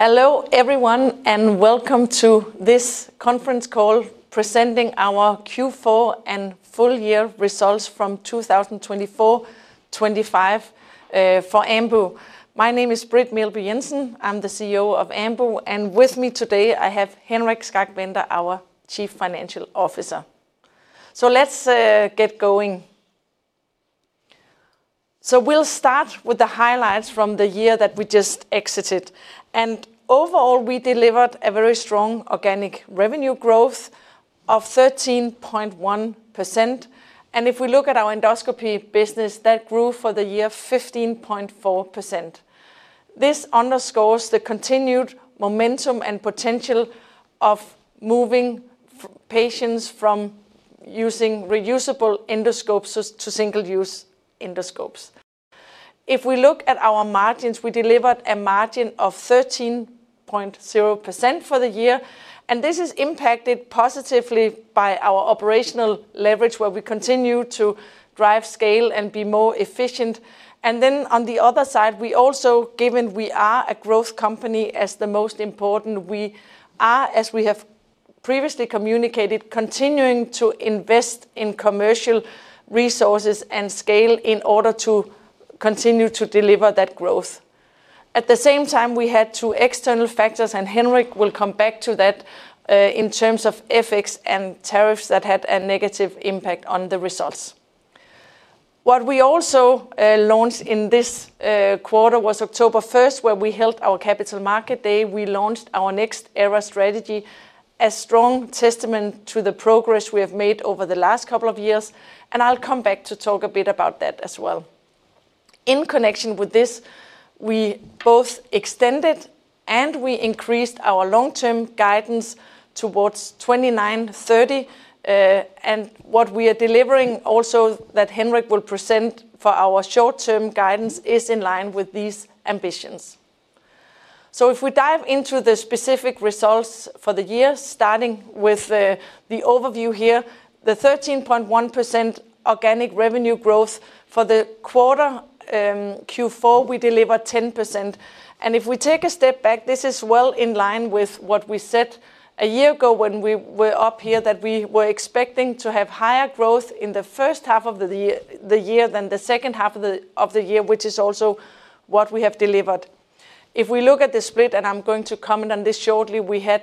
Hello everyone, and welcome to this conference call presenting our Q4 and full-year results from 2024-25 for Ambu. My name is Britt Meelby Jensen. I'm the CEO of Ambu, and with me today I have Henrik Skak Bender, our Chief Financial Officer. Let's get going. We'll start with the highlights from the year that we just exited. Overall, we delivered a very strong organic revenue growth of 13.1%. If we look at our endoscopy business, that grew for the year 15.4%. This underscores the continued momentum and potential of moving patients from using reusable endoscopes to single-use endoscopes. If we look at our margins, we delivered a margin of 13.0% for the year, and this is impacted positively by our operational leverage, where we continue to drive scale and be more efficient. On the other side, we also, given we are a growth company, as the most important we are, as we have previously communicated, continuing to invest in commercial resources and scale in order to continue to deliver that growth. At the same time, we had two external factors, and Henrik will come back to that. In terms of FX and tariffs that had a negative impact on the results. What we also launched in this quarter was October 1, where we held our Capital Market Day. We launched our next era strategy as a strong testament to the progress we have made over the last couple of years, and I'll come back to talk a bit about that as well. In connection with this, we both extended and we increased our long-term guidance towards 2029-2030. What we are delivering also that Henrik will present for our short-term guidance is in line with these ambitions. If we dive into the specific results for the year, starting with the overview here, the 13.1% organic revenue growth for the quarter. Q4, we delivered 10%. If we take a step back, this is well in line with what we said a year ago when we were up here that we were expecting to have higher growth in the first half of the year than the second half of the year, which is also what we have delivered. If we look at the split, and I am going to comment on this shortly, we had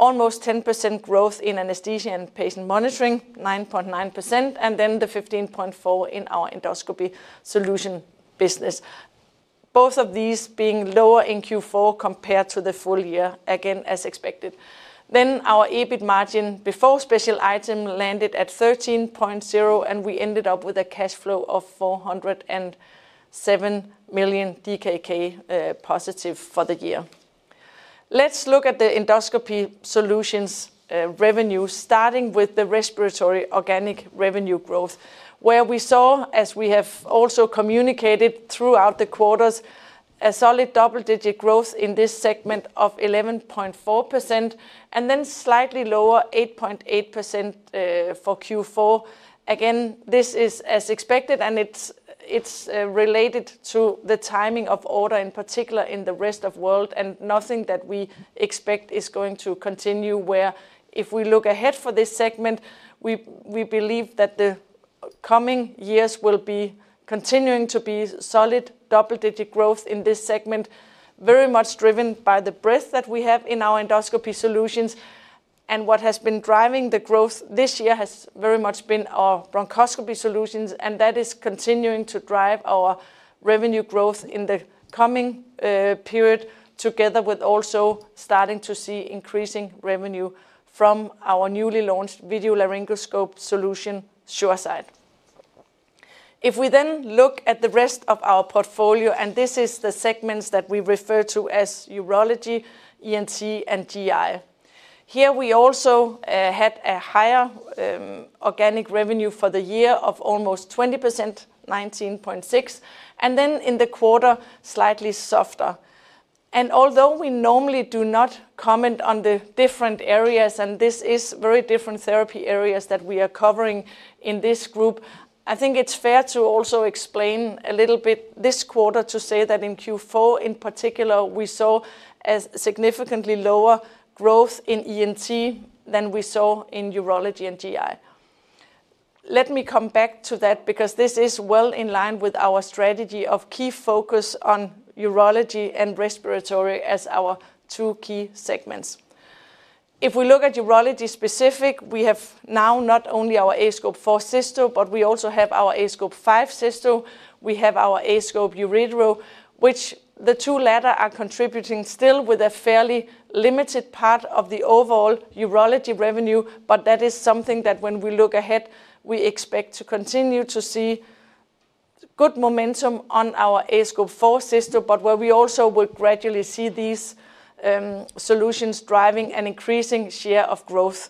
almost 10% growth in Anesthesia and Patient Monitoring, 9.9%, and then the 15.4% in our Endoscopy Solutions business. Both of these being lower in Q4 compared to the full year, again as expected. Our EBIT margin before special item landed at 13.0%, and we ended up with a cash flow of 407 million DKK positive for the year. Let's look at the Endoscopy Solutions revenue, starting with the respiratory organic revenue growth, where we saw, as we have also communicated throughout the quarters, a solid double-digit growth in this segment of 11.4%, and then slightly lower, 8.8% for Q4. Again, this is as expected, and it's related to the timing of order in particular in the Rest of the World, and nothing that we expect is going to continue. Where if we look ahead for this segment, we believe that the coming years will be continuing to be solid double-digit growth in this segment, very much driven by the breadth that we have in our Endoscopy Solutions. What has been driving the growth this year has very much been our bronchoscopy solutions, and that is continuing to drive our revenue growth in the coming period, together with also starting to see increasing revenue from our newly launched video laryngoscope solution, SureSight. If we then look at the rest of our portfolio, and this is the segments that we refer to as urology, ENT, and GI. Here we also had a higher organic revenue for the year of almost 20%, 19.6%, and then in the quarter slightly softer. Although we normally do not comment on the different areas, and this is very different therapy areas that we are covering in this group, I think it's fair to also explain a little bit this quarter to say that in Q4 in particular, we saw a significantly lower growth in ENT than we saw in urology and GI. Let me come back to that because this is well in line with our strategy of key focus on urology and respiratory as our two key segments. If we look at urology specific, we have now not only our aScope 4 Cysto, but we also have our aScope 5 Cysto. We have our aScope Uretero, which the two latter are contributing still with a fairly limited part of the overall urology revenue, but that is something that when we look ahead, we expect to continue to see. Good momentum on our aScope 4 Cysto, but where we also will gradually see these solutions driving an increasing share of growth.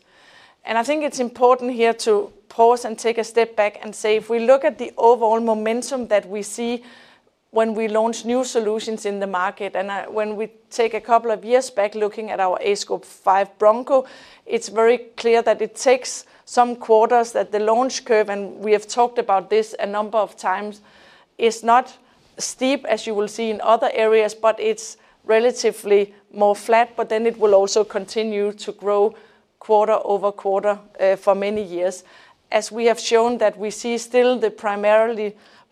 I think it's important here to pause and take a step back and say, if we look at the overall momentum that we see when we launch new solutions in the market, and when we take a couple of years back looking at our aScope 5 Broncho, it's very clear that it takes some quarters that the launch curve, and we have talked about this a number of times, is not as steep as you will see in other areas, but it's relatively more flat, but then it will also continue to grow quarter-over-quarter for many years. As we have shown, we see still the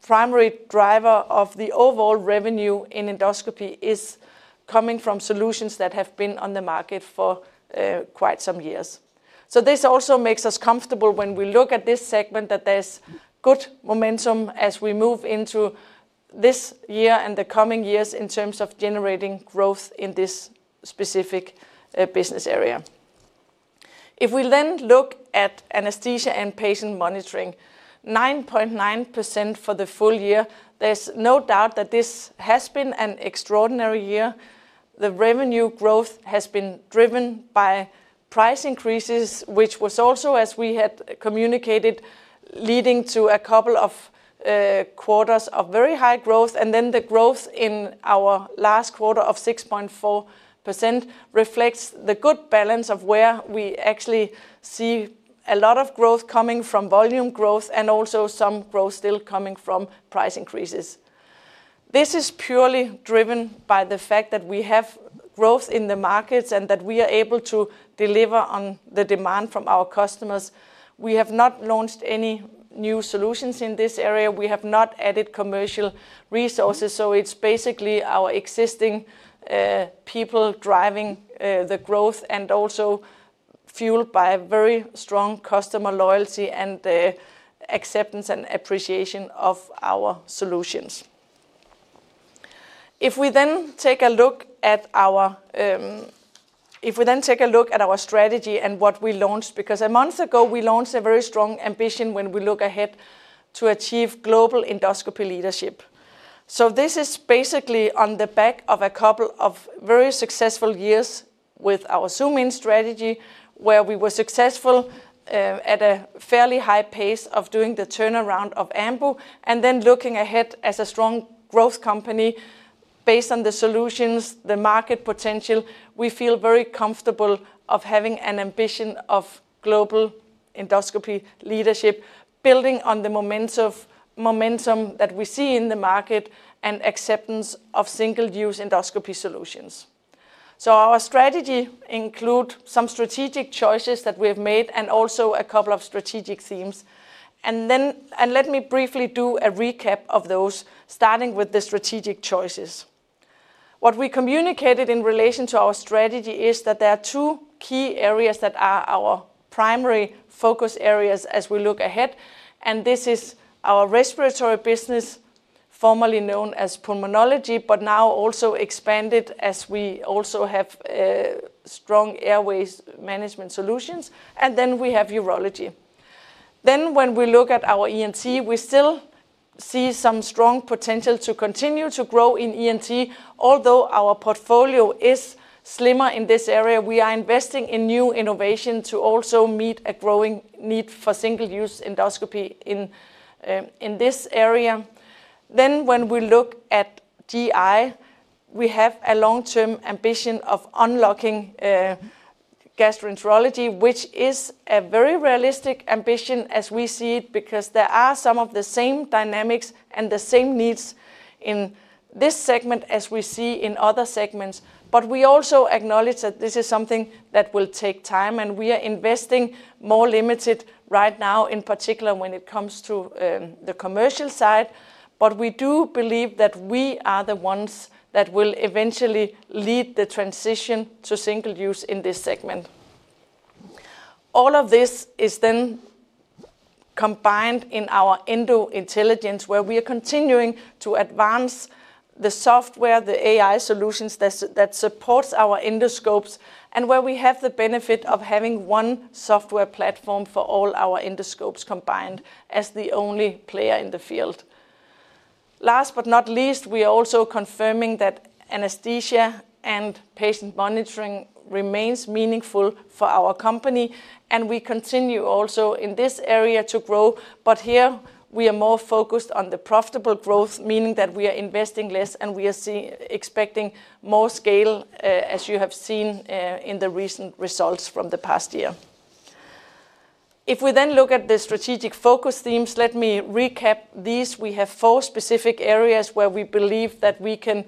primary driver of the overall revenue in endoscopy is coming from solutions that have been on the market for quite some years. This also makes us comfortable when we look at this segment that there's good momentum as we move into. This year and the coming years in terms of generating growth in this specific business area. If we then look at Anesthesia and Patient Monitoring, 9.9% for the full year, there is no doubt that this has been an extraordinary year. The revenue growth has been driven by price increases, which was also, as we had communicated, leading to a couple of quarters of very high growth. The growth in our last quarter of 6.4% reflects the good balance of where we actually see a lot of growth coming from volume growth and also some growth still coming from price increases. This is purely driven by the fact that we have growth in the markets and that we are able to deliver on the demand from our customers. We have not launched any new solutions in this area. We have not added commercial resources. It is basically our existing. People driving the growth and also fueled by very strong customer loyalty and acceptance and appreciation of our solutions. If we then take a look at our strategy and what we launched, because a month ago we launched a very strong ambition when we look ahead to achieve global endoscopy leadership. This is basically on the back of a couple of very successful years with our Zoom in strategy, where we were successful at a fairly high pace of doing the turnaround of Ambu, and then looking ahead as a strong growth company. Based on the solutions, the market potential, we feel very comfortable of having an ambition of global endoscopy leadership, building on the momentum that we see in the market and acceptance of single-use endoscopy solutions. Our strategy includes some strategic choices that we have made and also a couple of strategic themes. Let me briefly do a recap of those, starting with the strategic choices. What we communicated in relation to our strategy is that there are two key areas that are our primary focus areas as we look ahead, and this is our respiratory business, formerly known as pulmonology, but now also expanded as we also have strong airways management solutions, and then we have urology. When we look at our ENT, we still see some strong potential to continue to grow in ENT. Although our portfolio is slimmer in this area, we are investing in new innovation to also meet a growing need for single-use endoscopy in this area. When we look at GI, we have a long-term ambition of unlocking. Gastroenterology, which is a very realistic ambition as we see it, because there are some of the same dynamics and the same needs in this segment as we see in other segments. We also acknowledge that this is something that will take time, and we are investing more limited right now, in particular when it comes to the commercial side. We do believe that we are the ones that will eventually lead the transition to single-use in this segment. All of this is then combined in our Endo Intelligence, where we are continuing to advance the software, the AI solutions that support our endoscopes, and where we have the benefit of having one software platform for all our endoscopes combined as the only player in the field. Last but not least, we are also confirming that Anesthesia and Patient Monitoring remains meaningful for our company, and we continue also in this area to grow. Here we are more focused on the profitable growth, meaning that we are investing less and we are expecting more scale, as you have seen in the recent results from the past year. If we then look at the strategic focus themes, let me recap these. We have four specific areas where we believe that we can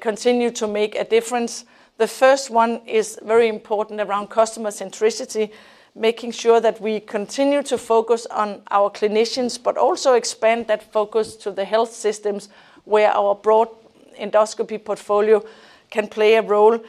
continue to make a difference. The first one is very important around customer centricity, making sure that we continue to focus on our clinicians, but also expand that focus to the health systems where our broad endoscopy portfolio can play a role.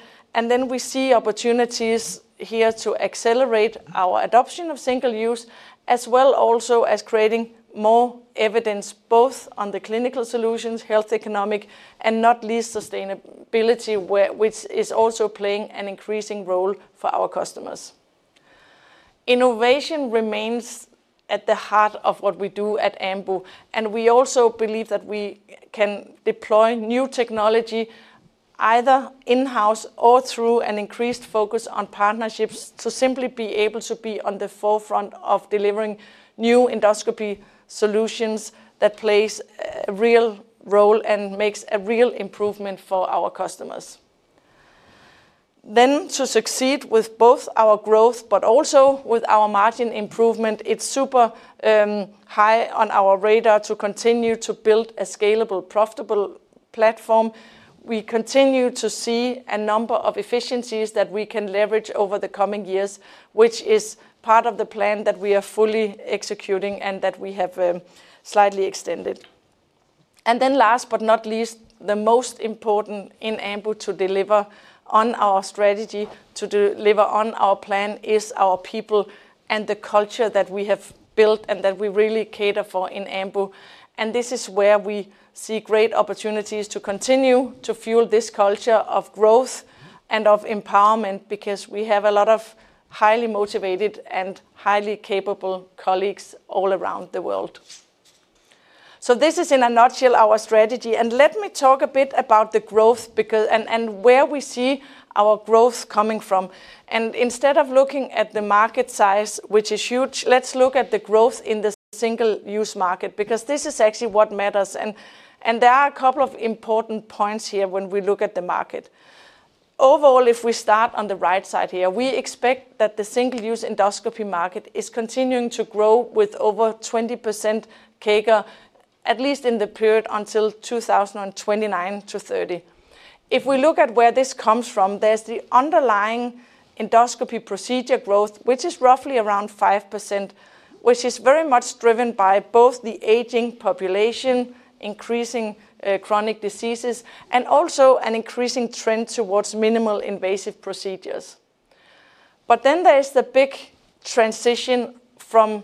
We see opportunities here to accelerate our adoption of single-use, as well also as creating more evidence both on the clinical solutions, health economic, and not least sustainability, which is also playing an increasing role for our customers. Innovation remains at the heart of what we do at Ambu, and we also believe that we can deploy new technology either in-house or through an increased focus on partnerships to simply be able to be on the forefront of delivering new endoscopy solutions that play a real role and make a real improvement for our customers. To succeed with both our growth, but also with our margin improvement, it's super high on our radar to continue to build a scalable, profitable platform. We continue to see a number of efficiencies that we can leverage over the coming years, which is part of the plan that we are fully executing and that we have slightly extended. Last but not least, the most important in Ambu to deliver on our strategy, to deliver on our plan, is our people and the culture that we have built and that we really cater for in Ambu. This is where we see great opportunities to continue to fuel this culture of growth and of empowerment, because we have a lot of highly motivated and highly capable colleagues all around the world. This is in a nutshell our strategy. Let me talk a bit about the growth and where we see our growth coming from. Instead of looking at the market size, which is huge, let's look at the growth in the single-use market, because this is actually what matters. There are a couple of important points here when we look at the market. Overall, if we start on the right side here, we expect that the single-use endoscopy market is continuing to grow with over 20% CAGR, at least in the period until 2029 to 2030. If we look at where this comes from, there is the underlying endoscopy procedure growth, which is roughly around 5%, which is very much driven by both the aging population, increasing chronic diseases, and also an increasing trend towards minimal invasive procedures. Then there is the big transition from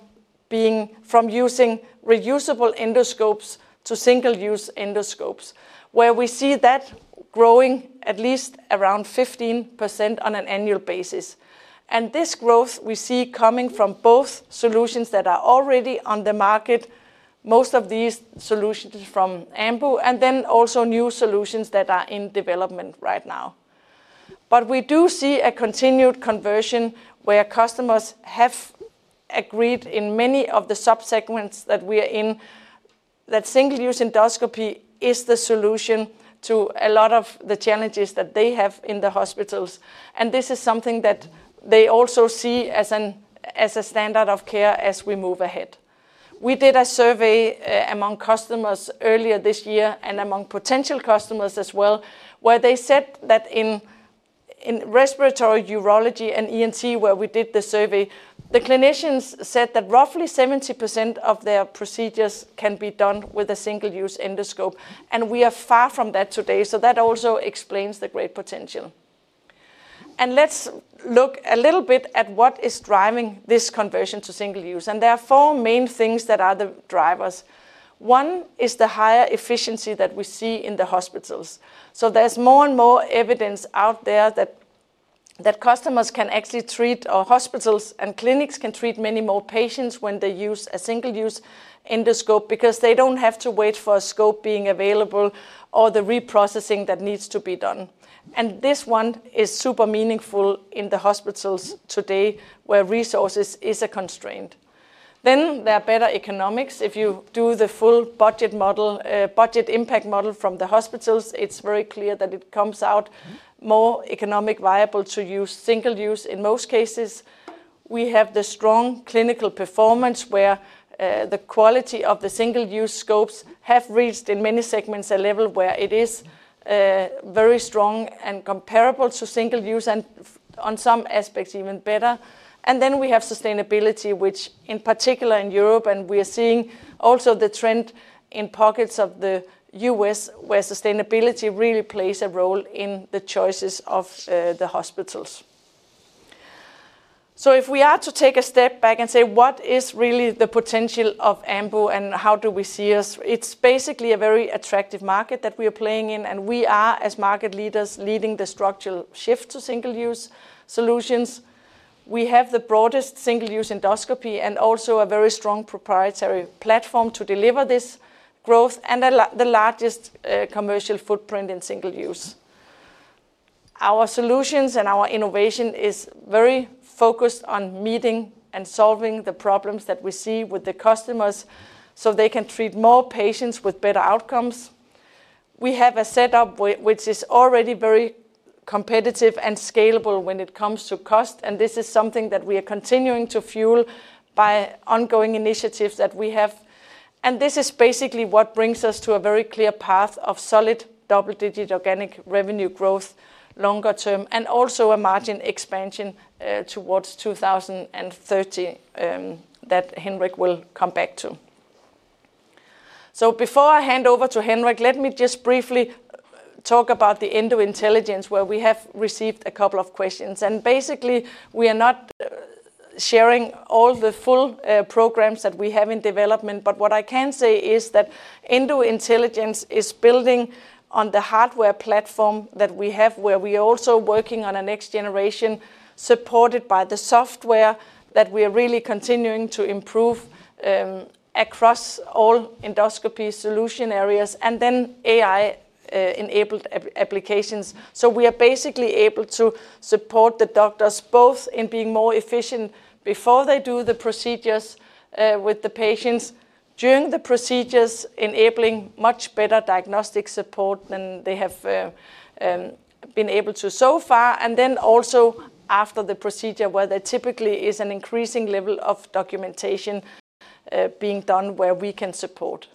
using reusable endoscopes to single-use endoscopes, where we see that growing at least around 15% on an annual basis. This growth we see coming from both solutions that are already on the market, most of these solutions from Ambu, and also new solutions that are in development right now. We do see a continued conversion where customers have agreed in many of the subsegments that we are in that single-use endoscopy is the solution to a lot of the challenges that they have in the hospitals. This is something that they also see as a standard of care as we move ahead. We did a survey among customers earlier this year and among potential customers as well, where they said that in respiratory, urology, and ENT, where we did the survey, the clinicians said that roughly 70% of their procedures can be done with a single-use endoscope. We are far from that today. That also explains the great potential. Let's look a little bit at what is driving this conversion to single-use. There are four main things that are the drivers. One is the higher efficiency that we see in the hospitals. There is more and more evidence out there that customers can actually treat, or hospitals and clinics can treat, many more patients when they use a single-use endoscope because they do not have to wait for a scope being available or the reprocessing that needs to be done. This one is super meaningful in the hospitals today where resources are constrained. There are better economics. If you do the full budget impact model from the hospitals, it is very clear that it comes out more economically viable to use single-use. In most cases, we have the strong clinical performance where the quality of the single-use scopes have reached in many segments a level where it is very strong and comparable to single-use and on some aspects even better. We have sustainability, which in particular in Europe, and we are seeing also the trend in pockets of the U.S. where sustainability really plays a role in the choices of the hospitals. If we are to take a step back and say, what is really the potential of Ambu and how do we see us, it's basically a very attractive market that we are playing in. We are, as market leaders, leading the structural shift to single-use solutions. We have the broadest single-use endoscopy and also a very strong proprietary platform to deliver this growth and the largest commercial footprint in single-use. Our solutions and our innovation are very focused on meeting and solving the problems that we see with the customers so they can treat more patients with better outcomes. We have a setup which is already very competitive and scalable when it comes to cost. This is something that we are continuing to fuel by ongoing initiatives that we have. This is basically what brings us to a very clear path of solid double-digit organic revenue growth longer term and also a margin expansion towards 2030 that Henrik will come back to. Before I hand over to Henrik, let me just briefly talk about the Endo Intelligence, where we have received a couple of questions. Basically, we are not sharing all the full programs that we have in development. What I can say is that Endo Intelligence is building on the hardware platform that we have, where we are also working on a next generation supported by the software that we are really continuing to improve. Across all endoscopy solution areas and then AI-enabled applications. We are basically able to support the doctors both in being more efficient before they do the procedures with the patients, during the procedures, enabling much better diagnostic support than they have been able to so far, and then also after the procedure, where there typically is an increasing level of documentation being done where we can support.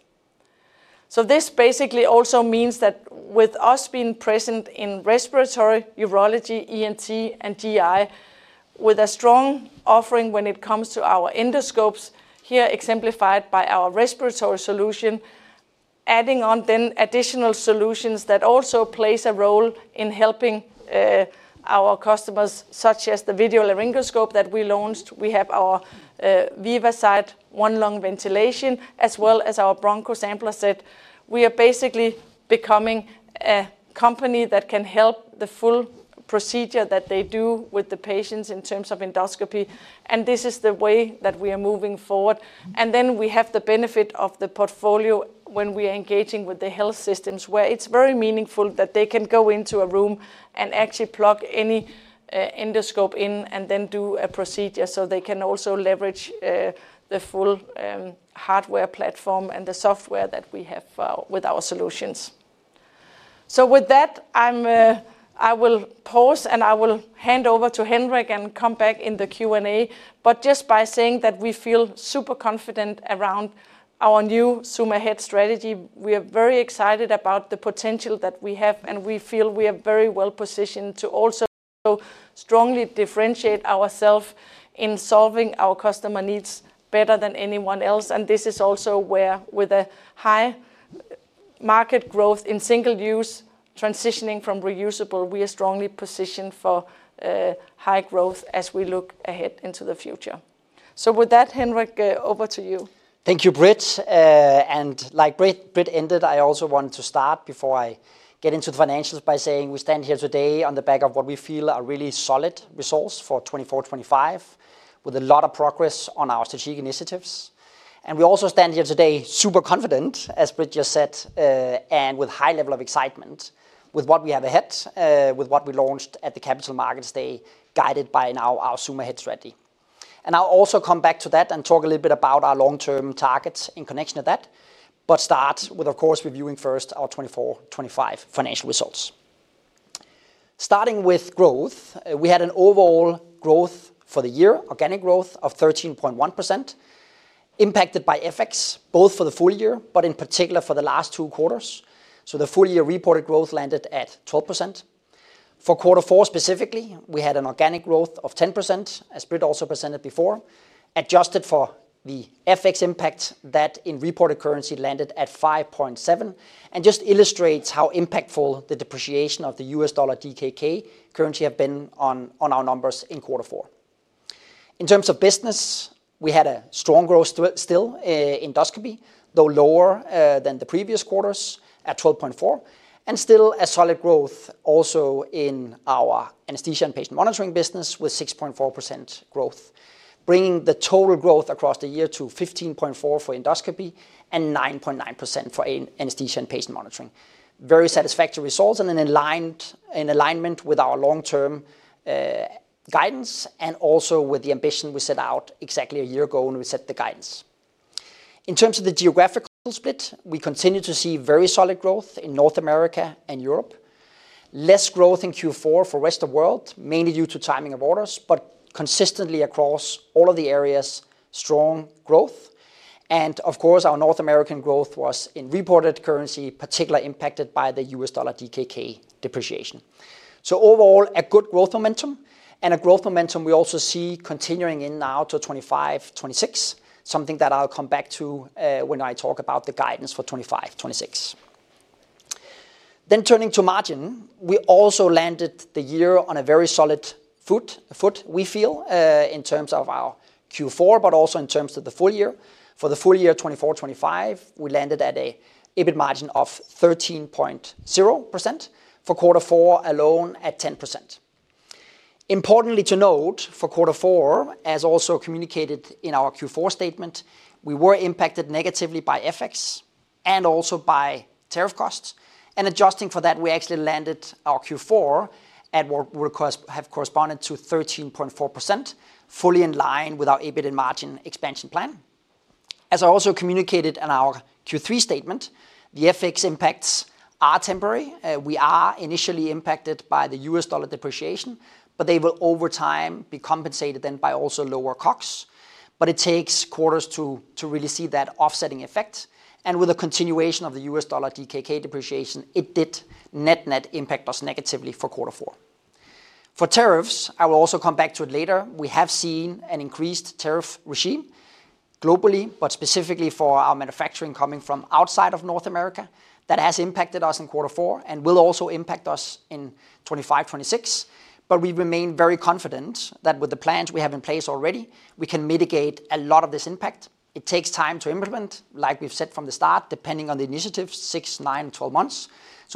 This basically also means that with us being present in respiratory, urology, ENT, and GI, with a strong offering when it comes to our endoscopes, here exemplified by our respiratory solution, adding on then additional solutions that also play a role in helping. Our customers, such as the video laryngoscope that we launched. We have our VivaSight, one lung ventilation, as well as our Bronchosampler Set. We are basically becoming a company that can help the full procedure that they do with the patients in terms of endoscopy. This is the way that we are moving forward. We have the benefit of the portfolio when we are engaging with the health systems, where it is very meaningful that they can go into a room and actually plug any endoscope in and then do a procedure, so they can also leverage the full hardware platform and the software that we have with our solutions. With that, I will pause and I will hand over to Henrik and come back in the Q&A. Just by saying that we feel super confident around our new Summit Ahead strategy, we are very excited about the potential that we have, and we feel we are very well positioned to also strongly differentiate ourselves in solving our customer needs better than anyone else. This is also where, with a high market growth in single-use transitioning from reusable, we are strongly positioned for high growth as we look ahead into the future. With that, Henrik, over to you. Thank you, Britt. Like Britt ended, I also wanted to start before I get into the financials by saying we stand here today on the back of what we feel are really solid results for 2024-2025, with a lot of progress on our strategic initiatives. We also stand here today super confident, as Britt just said, and with a high level of excitement with what we have ahead, with what we launched at the Capital Markets Day, guided by now our Summit Ahead strategy. I will also come back to that and talk a little bit about our long-term targets in connection with that, but start with, of course, reviewing first our 2024-2025 financial results. Starting with growth, we had an overall growth for the year, organic growth of 13.1%. Impacted by FX, both for the full year, but in particular for the last two quarters. The full year reported growth landed at 12%. For quarter four specifically, we had an organic growth of 10%, as Britt also presented before, adjusted for the FX impact that in reported currency landed at 5.7%, and just illustrates how impactful the depreciation of the U.S. dollar DKK currency has been on our numbers in quarter four. In terms of business, we had a strong growth still in endoscopy, though lower than the previous quarters at 12.4%, and still a solid growth also in our anesthesia and patient monitoring business with 6.4% growth, bringing the total growth across the year to 15.4% for endoscopy and 9.9% for anesthesia and patient monitoring. Very satisfactory results and in alignment with our long-term guidance and also with the ambition we set out exactly a year ago when we set the guidance. In terms of the geographical split, we continue to see very solid growth in North America and Europe, less growth in Q4 for the rest of the world, mainly due to timing of orders, but consistently across all of the areas, strong growth. Of course, our North American growth was in reported currency, particularly impacted by the U.S. dollar DKK depreciation. Overall, a good growth momentum and a growth momentum we also see continuing in now to 2025-2026, something that I'll come back to when I talk about the guidance for 2025-2026. Turning to margin, we also landed the year on a very solid foot, we feel, in terms of our Q4, but also in terms of the full year. For the full year 2024-2025, we landed at an EBIT margin of 13.0% for quarter four alone at 10%. Importantly to note, for quarter four, as also communicated in our Q4 statement, we were impacted negatively by FX and also by tariff costs. Adjusting for that, we actually landed our Q4 at what would have corresponded to 13.4%, fully in line with our EBIT and margin expansion plan. As I also communicated in our Q3 statement, the FX impacts are temporary. We are initially impacted by the U.S. dollar depreciation, but they will over time be compensated then by also lower COGS. It takes quarters to really see that offsetting effect. With the continuation of the U.S. dollar DKK depreciation, it did net-net impact us negatively for quarter four. For tariffs, I will also come back to it later. We have seen an increased tariff regime globally, but specifically for our manufacturing coming from outside of North America. That has impacted us in quarter four and will also impact us in 2025-2026. We remain very confident that with the plans we have in place already, we can mitigate a lot of this impact. It takes time to implement, like we've said from the start, depending on the initiatives, 6, 9, 12 months.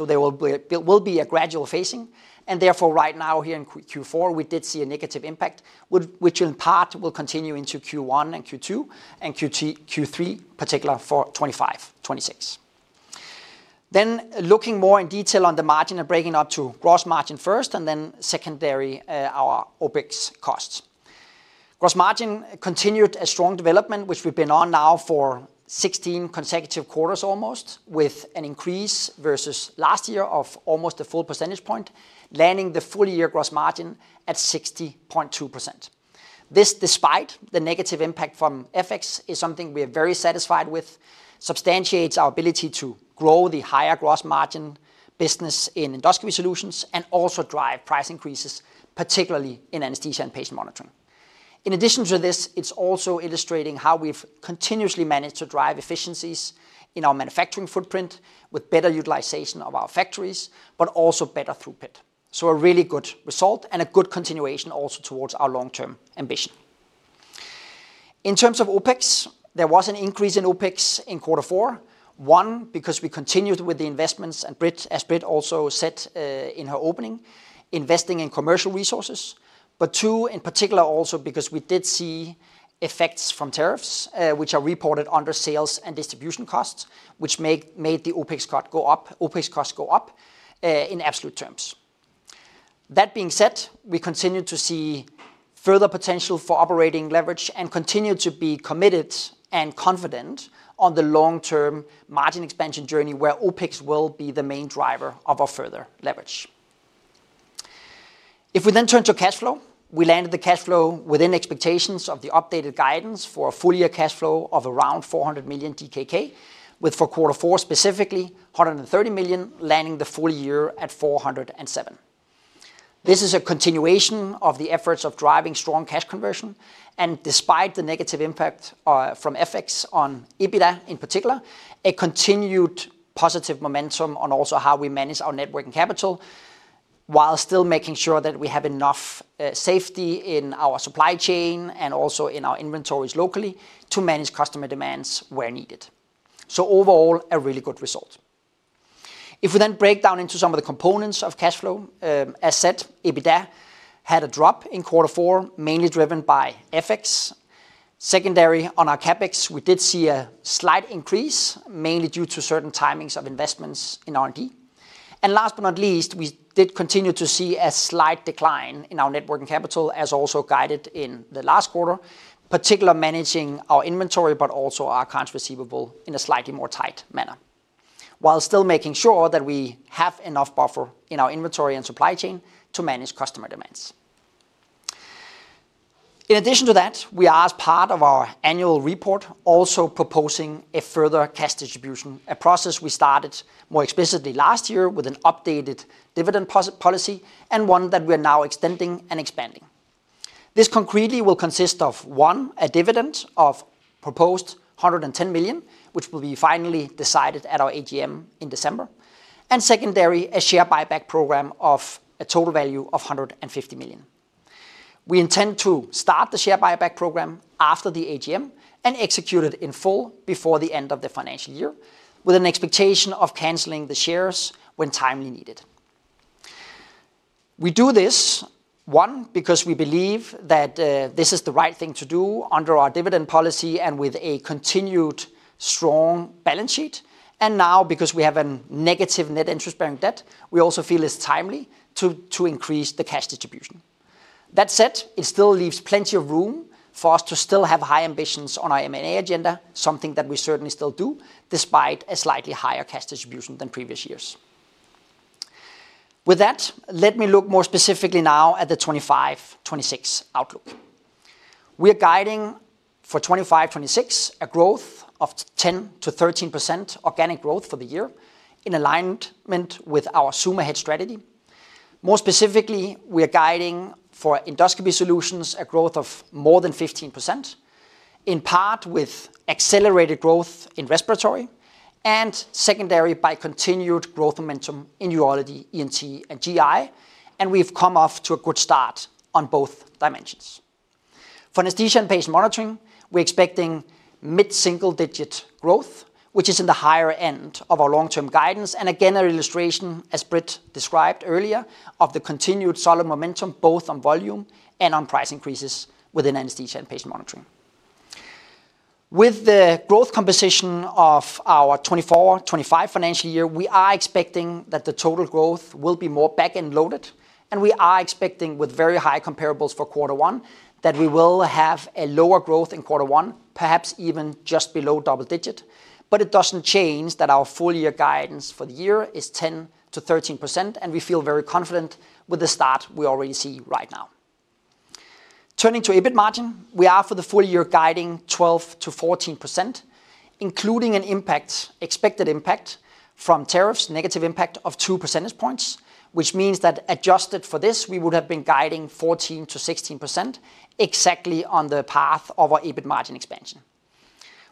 There will be a gradual phasing. Therefore, right now here in Q4, we did see a negative impact, which in part will continue into Q1 and Q2 and Q3, particularly for 2025-2026. Looking more in detail on the margin and breaking up to gross margin first and then secondarily our OPEX costs. Gross margin continued a strong development, which we've been on now for 16 consecutive quarters almost, with an increase versus last year of almost a full percentage point, landing the full year gross margin at 60.2%. This, despite the negative impact from FX, is something we are very satisfied with, substantiates our ability to grow the higher gross margin business in Endoscopy Solutions and also drive price increases, particularly in Anesthesia and Patient Monitoring. In addition to this, it's also illustrating how we've continuously managed to drive efficiencies in our manufacturing footprint with better utilization of our factories, but also better throughput. A really good result and a good continuation also towards our long-term ambition. In terms of OPEX, there was an increase in OPEX in quarter four, one, because we continued with the investments, as Britt also said in her opening, investing in commercial resources, but two, in particular also because we did see effects from tariffs, which are reported under sales and distribution costs, which made the OPEX costs go up in absolute terms. That being said, we continue to see further potential for operating leverage and continue to be committed and confident on the long-term margin expansion journey where OPEX will be the main driver of our further leverage. If we then turn to cash flow, we landed the cash flow within expectations of the updated guidance for a full year cash flow of around 400 million DKK, with for quarter four specifically 130 million landing the full year at 407 million. This is a continuation of the efforts of driving strong cash conversion. Despite the negative impact from FX on EBITDA in particular, a continued positive momentum on also how we manage our networking capital. While still making sure that we have enough safety in our supply chain and also in our inventories locally to manage customer demands where needed. Overall, a really good result. If we then break down into some of the components of cash flow, as said, EBITDA had a drop in quarter four, mainly driven by FX. Secondary, on our CapEx, we did see a slight increase, mainly due to certain timings of investments in R&D. Last but not least, we did continue to see a slight decline in our networking capital, as also guided in the last quarter, particularly managing our inventory, but also our accounts receivable in a slightly more tight manner, while still making sure that we have enough buffer in our inventory and supply chain to manage customer demands. In addition to that, we are, as part of our annual report, also proposing a further cash distribution, a process we started more explicitly last year with an updated dividend policy and one that we are now extending and expanding. This concretely will consist of, one, a dividend of proposed 110 million, which will be finally decided at our AGM in December, and secondary, a share buyback program of a total value of 150 million. We intend to start the share buyback program after the AGM and execute it in full before the end of the financial year, with an expectation of canceling the shares when timely needed. We do this, one, because we believe that this is the right thing to do under our dividend policy and with a continued strong balance sheet. Now, because we have a negative net interest-bearing debt, we also feel it's timely to increase the cash distribution. That said, it still leaves plenty of room for us to still have high ambitions on our M&A agenda, something that we certainly still do despite a slightly higher cash distribution than previous years. With that, let me look more specifically now at the 2025-2026 outlook. We are guiding for 2025-2026 a growth of 10%-13% organic growth for the year in alignment with our Summit Ahead strategy. More specifically, we are guiding for Endoscopy Solutions a growth of more than 15%. In part with accelerated growth in respiratory and secondary by continued growth momentum in Urology, ENT, and GI. We have come off to a good start on both dimensions. For Anesthesia and Patient Monitoring, we're expecting mid-single-digit growth, which is in the higher end of our long-term guidance. An illustration, as Britt described earlier, of the continued solid momentum both on volume and on price increases within Anesthesia and Patient Monitoring. With the growth composition of our 2024-2025 financial year, we are expecting that the total growth will be more back-end loaded. We are expecting, with very high comparables for quarter one, that we will have a lower growth in quarter one, perhaps even just below double digit. It does not change that our full year guidance for the year is 10%-13%, and we feel very confident with the start we already see right now. Turning to EBIT margin, we are for the full year guiding 12%-14%, including an expected impact from tariffs, negative impact of 2 percentage points, which means that adjusted for this, we would have been guiding 14%-16% exactly on the path of our EBIT margin expansion.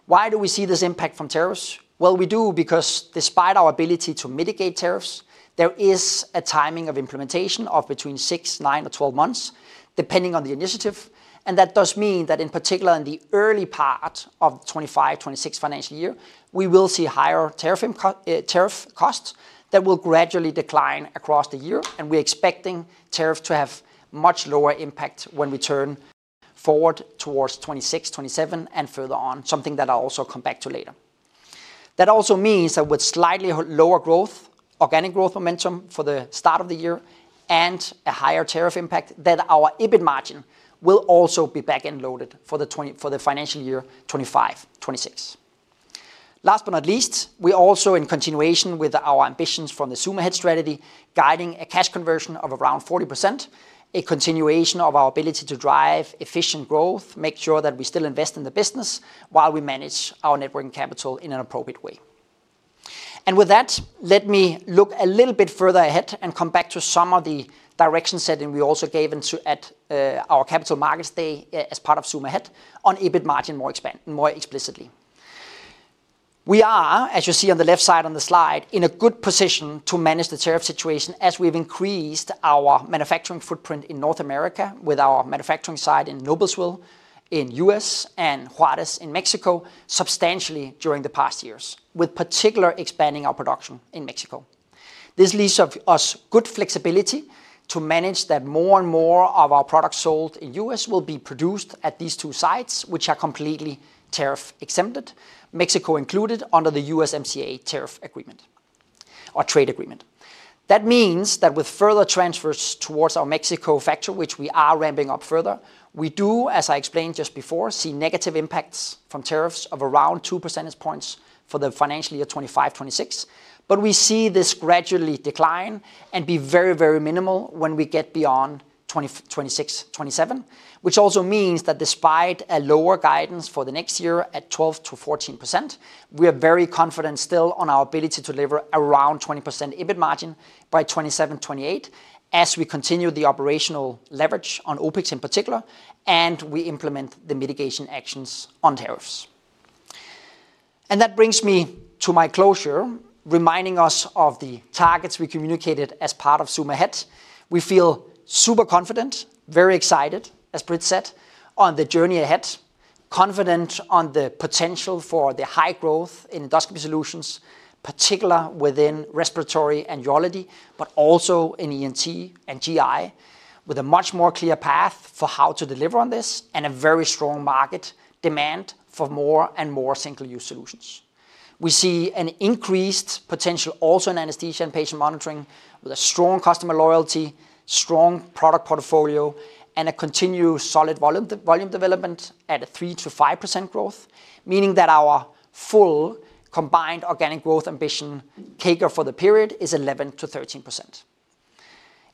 Why do we see this impact from tariffs? We do because despite our ability to mitigate tariffs, there is a timing of implementation of between 6, 9, or 12 months, depending on the initiative. That does mean that in particular, in the early part of the 2025-2026 financial year, we will see higher tariff costs that will gradually decline across the year. We are expecting tariffs to have much lower impact when we turn forward towards 2026-2027 and further on, something that I'll also come back to later. That also means that with slightly lower organic growth momentum for the start of the year, and a higher tariff impact, our EBIT margin will also be back-end loaded for the financial year 2025-2026. Last but not least, we are also in continuation with our ambitions from the Summit Ahead strategy, guiding a cash conversion of around 40%, a continuation of our ability to drive efficient growth, make sure that we still invest in the business while we manage our networking capital in an appropriate way. Let me look a little bit further ahead and come back to some of the direction setting we also gave at our Capital Markets Day as part of Summit Ahead on EBIT margin more explicitly. We are, as you see on the left side on the slide, in a good position to manage the tariff situation as we have increased our manufacturing footprint in North America with our manufacturing site in Noblesville in the U.S. and Juarez in Mexico substantially during the past years, with particular expanding our production in Mexico. This leaves us good flexibility to manage that more and more of our products sold in the U.S. will be produced at these two sites, which are completely tariff-exempt, Mexico included under the U.S.MCA tariff agreement or trade agreement. That means that with further transfers towards our Mexico factory, which we are ramping up further, we do, as I explained just before, see negative impacts from tariffs of around 2 percentage points for the financial year 2025-2026. We see this gradually decline and be very, very minimal when we get beyond 2026-2027, which also means that despite a lower guidance for the next year at 12%-14%, we are very confident still on our ability to deliver around 20% EBIT margin by 2027-2028 as we continue the operational leverage on OPEX in particular and we implement the mitigation actions on tariffs. That brings me to my closure, reminding us of the targets we communicated as part of Summit Ahead. We feel super confident, very excited, as Britt said, on the journey ahead, confident on the potential for the high growth in Endoscopy Solutions, particularly within respiratory and urology, but also in ENT and GI, with a much more clear path for how to deliver on this and a very strong market demand for more and more single-use solutions. We see an increased potential also in Anesthesia and Patient Monitoring with a strong customer loyalty, strong product portfolio, and a continued solid volume development at a 3%-5% growth, meaning that our full combined organic growth ambition, CAGR for the period, is 11%-13%.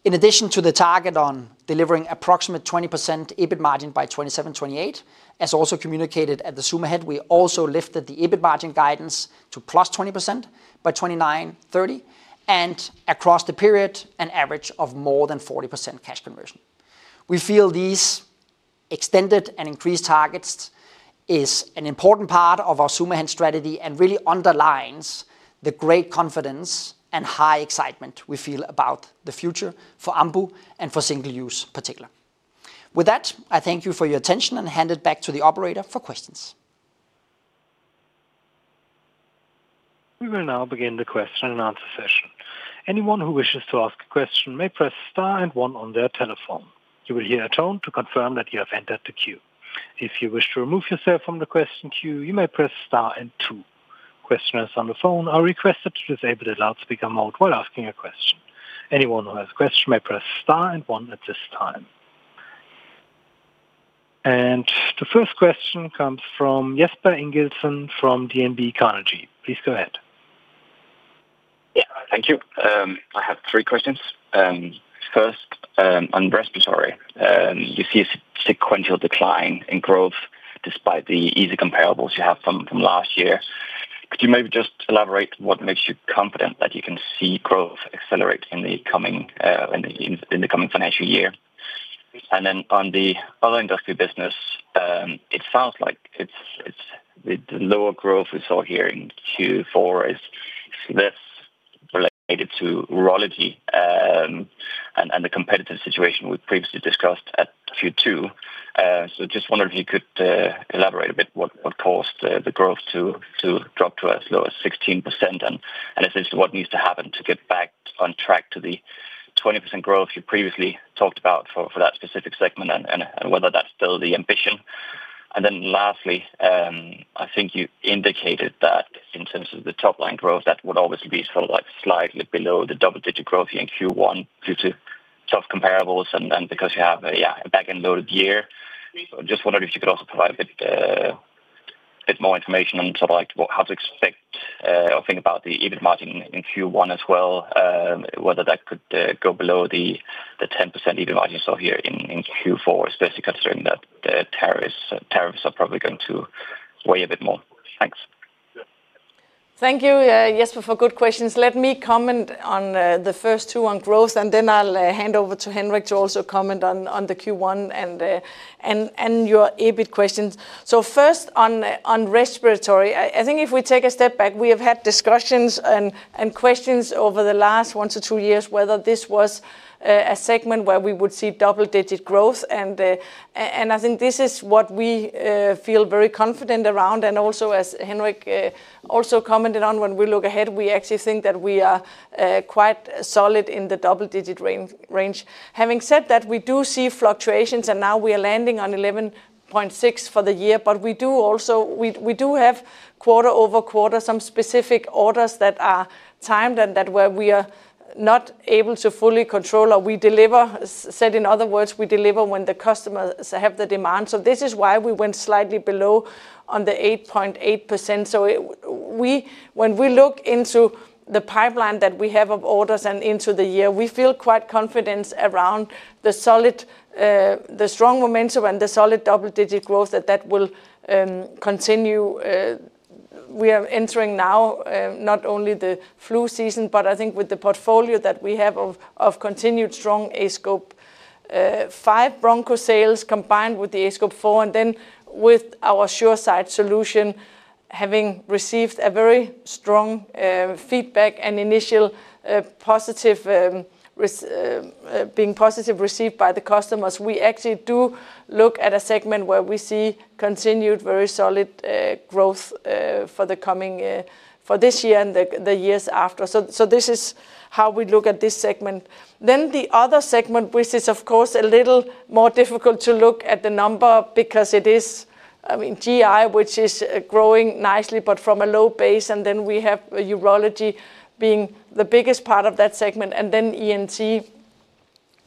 In addition to the target on delivering approximate 20% EBIT margin by 2027-2028, as also communicated at the Summit Ahead, we also lifted the EBIT margin guidance to plus 20% by 2029-2030 and across the period an average of more than 40% cash conversion. We feel these extended and increased targets is an important part of our Summit Ahead strategy and really underlines the great confidence and high excitement we feel about the future for Ambu and for single-use particular. With that, I thank you for your attention and hand it back to the operator for questions. We will now begin the question-and-answer session. Anyone who wishes to ask a question may press star and one on their telephone. You will hear a tone to confirm that you have entered the queue. If you wish to remove yourself from the question queue, you may press star and two. Questioners on the phone are requested to disable the loudspeaker mode while asking a question. Anyone who has a question may press star and one at this time. The first question comes from Jesper Ingildsen from DNB Carnegie. Please go ahead. Yeah, thank you. I have three questions. First, on respiratory, you see a sequential decline in growth despite the easy comparables you have from last year. Could you maybe just elaborate what makes you confident that you can see growth accelerate in the coming financial year? And then on the other industry business. It sounds like the lower growth we saw here in Q4 is less related to urology and the competitive situation we previously discussed at Q2. Just wondering if you could elaborate a bit what caused the growth to drop to as low as 16% and essentially what needs to happen to get back on track to the 20% growth you previously talked about for that specific segment and whether that's still the ambition. Lastly, I think you indicated that in terms of the top-line growth, that would obviously be sort of slightly below the double-digit growth here in Q1 due to tough comparables and because you have a back-end loaded year. Just wondering if you could also provide a bit more information on how to expect or think about the EBIT margin in Q1 as well. Whether that could go below the 10% EBIT margin you saw here in Q4, especially considering that tariffs are probably going to weigh a bit more. Thanks. Thank you, Jesper, for good questions. Let me comment on the first two on growth, and then I'll hand over to Henrik to also comment on the Q1 and your EBIT questions. First, on respiratory, I think if we take a step back, we have had discussions and questions over the last one to two years whether this was a segment where we would see double-digit growth. I think this is what we feel very confident around. Also, as Henrik also commented on, when we look ahead, we actually think that we are quite solid in the double-digit range. Having said that, we do see fluctuations, and now we are landing on 11.6% for the year. We do have quarter-over-quarter some specific orders that are timed and that where we are not able to fully control or we deliver. In other words, we deliver when the customers have the demand. This is why we went slightly below on the 8.8%. When we look into the pipeline that we have of orders and into the year, we feel quite confident around the strong momentum and the solid double-digit growth that will continue. We are entering now not only the flu season, but I think with the portfolio that we have of continued strong aScope 5 Broncho sales combined with the aScope 4, and then with our SureSight solution, having received very strong feedback and initial being positively received by the customers, we actually do look at a segment where we see continued very solid growth for this year and the years after. This is how we look at this segment. The other segment, which is, of course, a little more difficult to look at the number because it is GI, which is growing nicely, but from a low base. We have urology being the biggest part of that segment. Then ENT.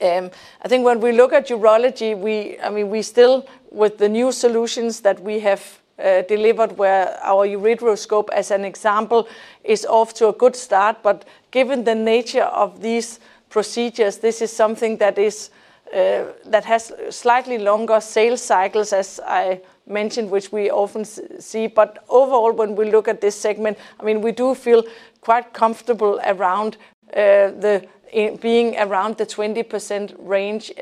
I think when we look at urology, we still, with the new solutions that we have delivered, where our ureteroscope, as an example, is off to a good start. Given the nature of these procedures, this is something that has slightly longer sales cycles, as I mentioned, which we often see. Overall, when we look at this segment, we do feel quite comfortable around being around the 20% range,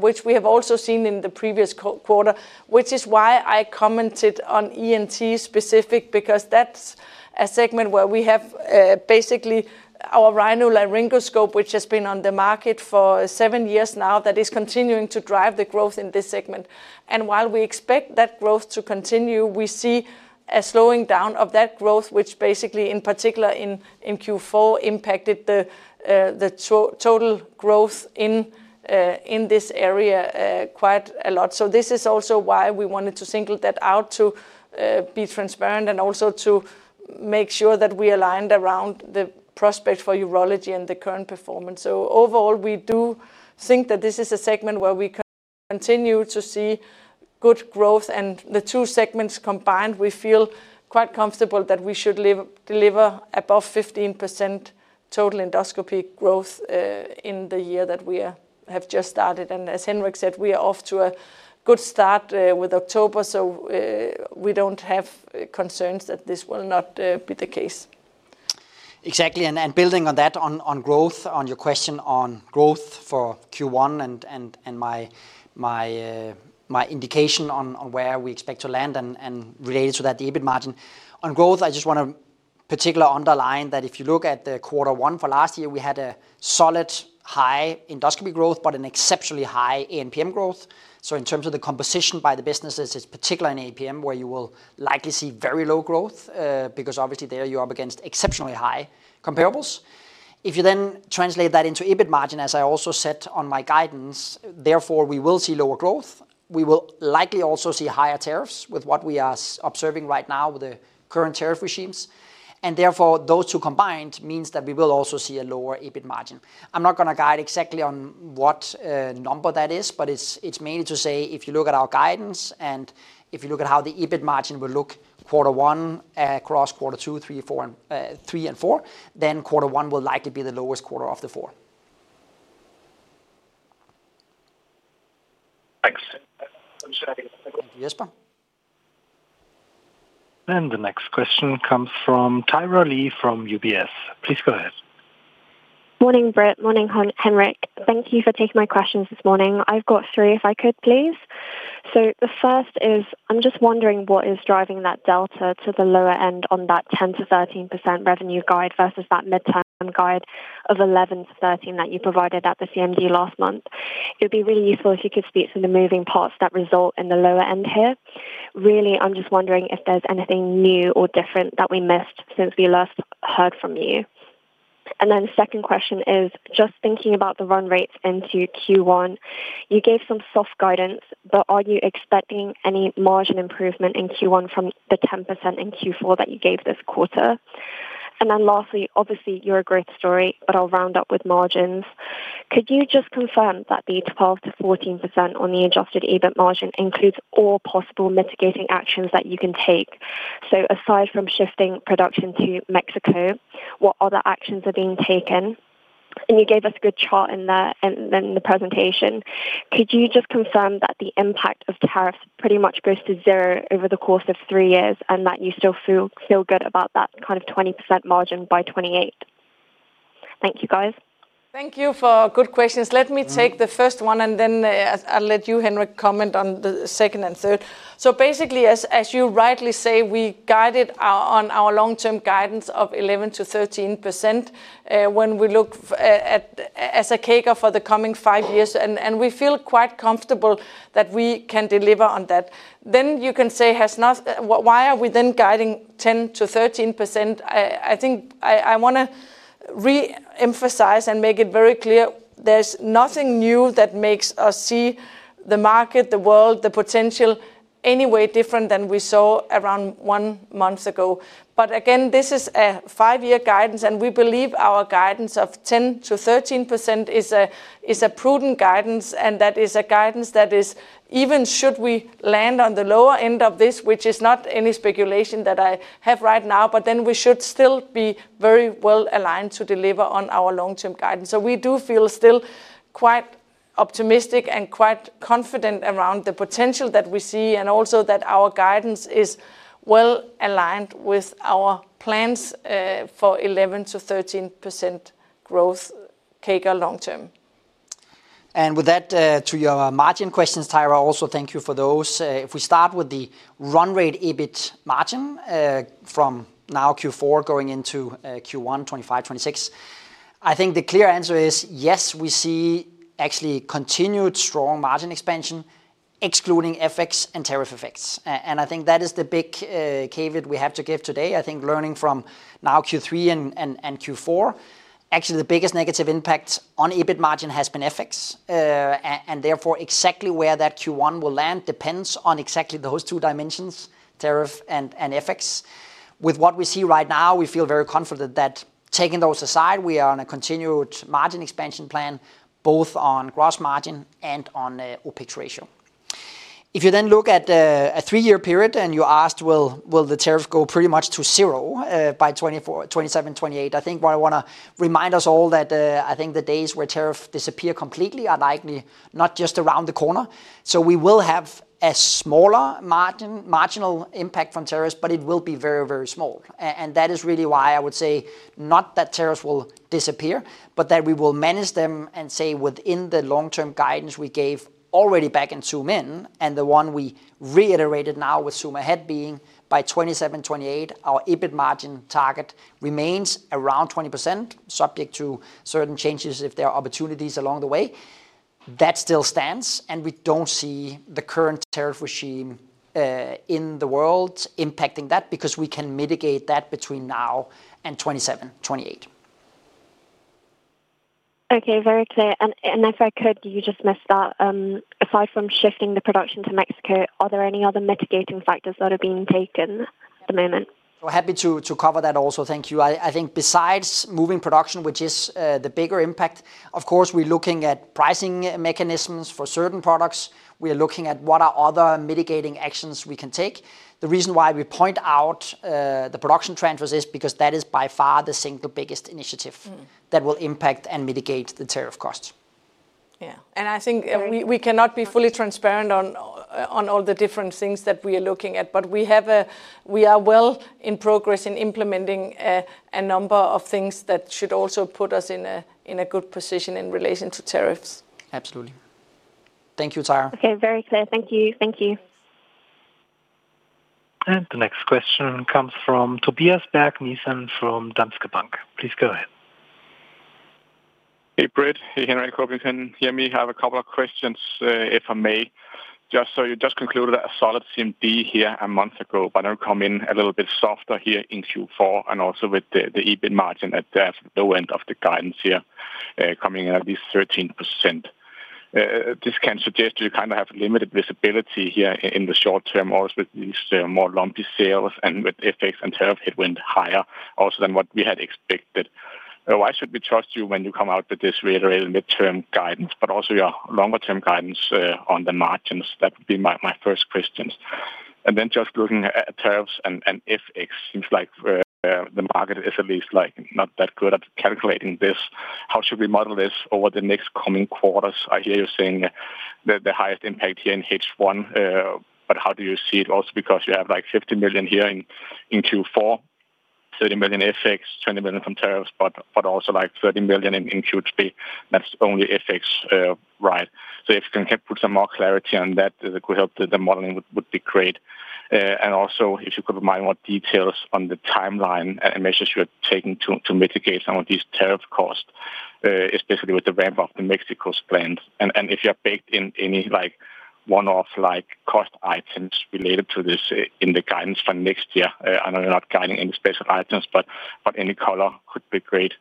which we have also seen in the previous quarter, which is why I commented on ENT specific, because that is a segment where we have basically our Rhino-Laryngoscope, which has been on the market for seven years now, that is continuing to drive the growth in this segment. While we expect that growth to continue, we see a slowing down of that growth, which basically, in particular in Q4, impacted the total growth in this area quite a lot. This is also why we wanted to single that out to be transparent and also to make sure that we aligned around the prospect for urology and the current performance. Overall, we do think that this is a segment where we continue to see good growth. The two segments combined, we feel quite comfortable that we should deliver above 15% total endoscopy growth in the year that we have just started. As Henrik said, we are off to a good start with October, so we do not have concerns that this will not be the case. Exactly. Building on that, on growth, on your question on growth for Q1 and my. Indication on where we expect to land and related to that EBIT margin. On growth, I just want to particularly underline that if you look at the quarter one for last year, we had a solid high endoscopy growth, but an exceptionally high ANPM growth. In terms of the composition by the businesses, it is particular in ANPM where you will likely see very low growth because obviously there you are up against exceptionally high comparables. If you then translate that into EBIT margin, as I also said on my guidance, therefore we will see lower growth. We will likely also see higher tariffs with what we are observing right now with the current tariff regimes. Therefore, those two combined means that we will also see a lower EBIT margin. I'm not going to guide exactly on what number that is, but it's mainly to say if you look at our guidance and if you look at how the EBIT margin will look quarter one across quarter two, three, four. Quarter one will likely be the lowest quarter of the four. Thanks. Thank you, Jesper. The next question comes from Thyra Lee from UBS. Please go ahead. Morning, Britt. Morning, Henrik. Thank you for taking my questions this morning. I've got three if I could, please. The first is I'm just wondering what is driving that delta to the lower end on that 10%-13% revenue guide versus that midterm guide of 11%-13% that you provided at the CMG last month. It would be really useful if you could speak to the moving parts that result in the lower end here. Really, I'm just wondering if there's anything new or different that we missed since we last heard from you. The second question is just thinking about the run rates into Q1. You gave some soft guidance, but are you expecting any margin improvement in Q1 from the 10% in Q4 that you gave this quarter? Lastly, obviously, you're a growth story, but I'll round up with margins. Could you just confirm that the 12%-14% on the adjusted EBIT margin includes all possible mitigating actions that you can take? Aside from shifting production to Mexico, what other actions are being taken? You gave us a good chart in the presentation. Could you just confirm that the impact of tariffs pretty much goes to zero over the course of three years and that you still feel good about that kind of 20% margin by 2028? Thank you, guys. Thank you for good questions. Let me take the first one, and then I'll let you, Henrik, comment on the second and third. Basically, as you rightly say, we guided on our long-term guidance of 11%-13%. When we look as a CAGR for the coming five years, we feel quite comfortable that we can deliver on that. You can say, why are we then guiding 10%-13%? I think I want to re-emphasize and make it very clear there's nothing new that makes us see the market, the world, the potential any way different than we saw around one month ago. Again, this is a five-year guidance, and we believe our guidance of 10%-13% is a prudent guidance. That is a guidance that is, even should we land on the lower end of this, which is not any speculation that I have right now, but then we should still be very well aligned to deliver on our long-term guidance. We do feel still quite optimistic and quite confident around the potential that we see and also that our guidance is well aligned with our plans for 11%-13% growth CAGR long-term. With that, to your margin questions, Thyra, also thank you for those. If we start with the run rate EBIT margin from now Q4 going into Q1 2025-2026, I think the clear answer is yes, we see actually continued strong margin expansion, excluding FX and tariff effects. I think that is the big caveat we have to give today. I think learning from now Q3 and Q4, actually the biggest negative impact on EBIT margin has been FX. Therefore, exactly where that Q1 will land depends on exactly those two dimensions, tariff and FX. With what we see right now, we feel very confident that taking those aside, we are on a continued margin expansion plan, both on gross margin and on OPEX ratio. If you then look at a three-year period and you asked, will the tariff go pretty much to zero by 2027, 2028, I think what I want to remind us all is that I think the days where tariffs disappear completely are likely not just around the corner. We will have a smaller marginal impact from tariffs, but it will be very, very small. That is really why I would say not that tariffs will disappear, but that we will manage them and say within the long-term guidance we gave already back in 2009 and the one we reiterated now with Summit Ahead being by 2027, 2028, our EBIT margin target remains around 20%, subject to certain changes if there are opportunities along the way. That still stands, and we do not see the current tariff regime in the world impacting that because we can mitigate that between now and 2027, 2028. Okay, very clear. If I could, you just missed that. Aside from shifting the production to Mexico, are there any other mitigating factors that are being taken at the moment? We are happy to cover that also. Thank you. I think besides moving production, which is the bigger impact, of course, we are looking at pricing mechanisms for certain products. We are looking at what are other mitigating actions we can take. The reason why we point out the production transfers is because that is by far the single biggest initiative that will impact and mitigate the tariff costs. Yeah. I think we cannot be fully transparent on all the different things that we are looking at, but we are well in progress in implementing a number of things that should also put us in a good position in relation to tariffs. Absolutely. Thank you, Thyra. Okay, very clear. Thank you. Thank you. The next question comes from Tobias Berg Nissen from Danske Bank. Please go ahead. Hey, Britt. Hey, Henrik. Hope you can hear me. I have a couple of questions, if I may. Just so you just concluded a solid CMD here a month ago, but now come in a little bit softer here in Q4 and also with the EBIT margin at the low end of the guidance here coming in at least 13%. This can suggest you kind of have limited visibility here in the short term also with these more lumpy sales and with FX and tariff headwind higher also than what we had expected. Why should we trust you when you come out with this reiterated midterm guidance, but also your longer-term guidance on the margins? That would be my first question. Then just looking at tariffs and FX, it seems like the market is at least not that good at calculating this. How should we model this over the next coming quarters? I hear you're saying the highest impact here in H1, but how do you see it also because you have like 50 million here in Q4, 30 million FX, 20 million from tariffs, but also like 30 million in Q3, that's only FX, right? If you can put some more clarity on that, it could help the modeling would be great. Also, if you could remind what details on the timeline and measures you're taking to mitigate some of these tariff costs, especially with the ramp-up to Mexico's plans. If you're baked in any one-off cost items related to this in the guidance for next year, I know you're not guiding any special items, but any color could be great.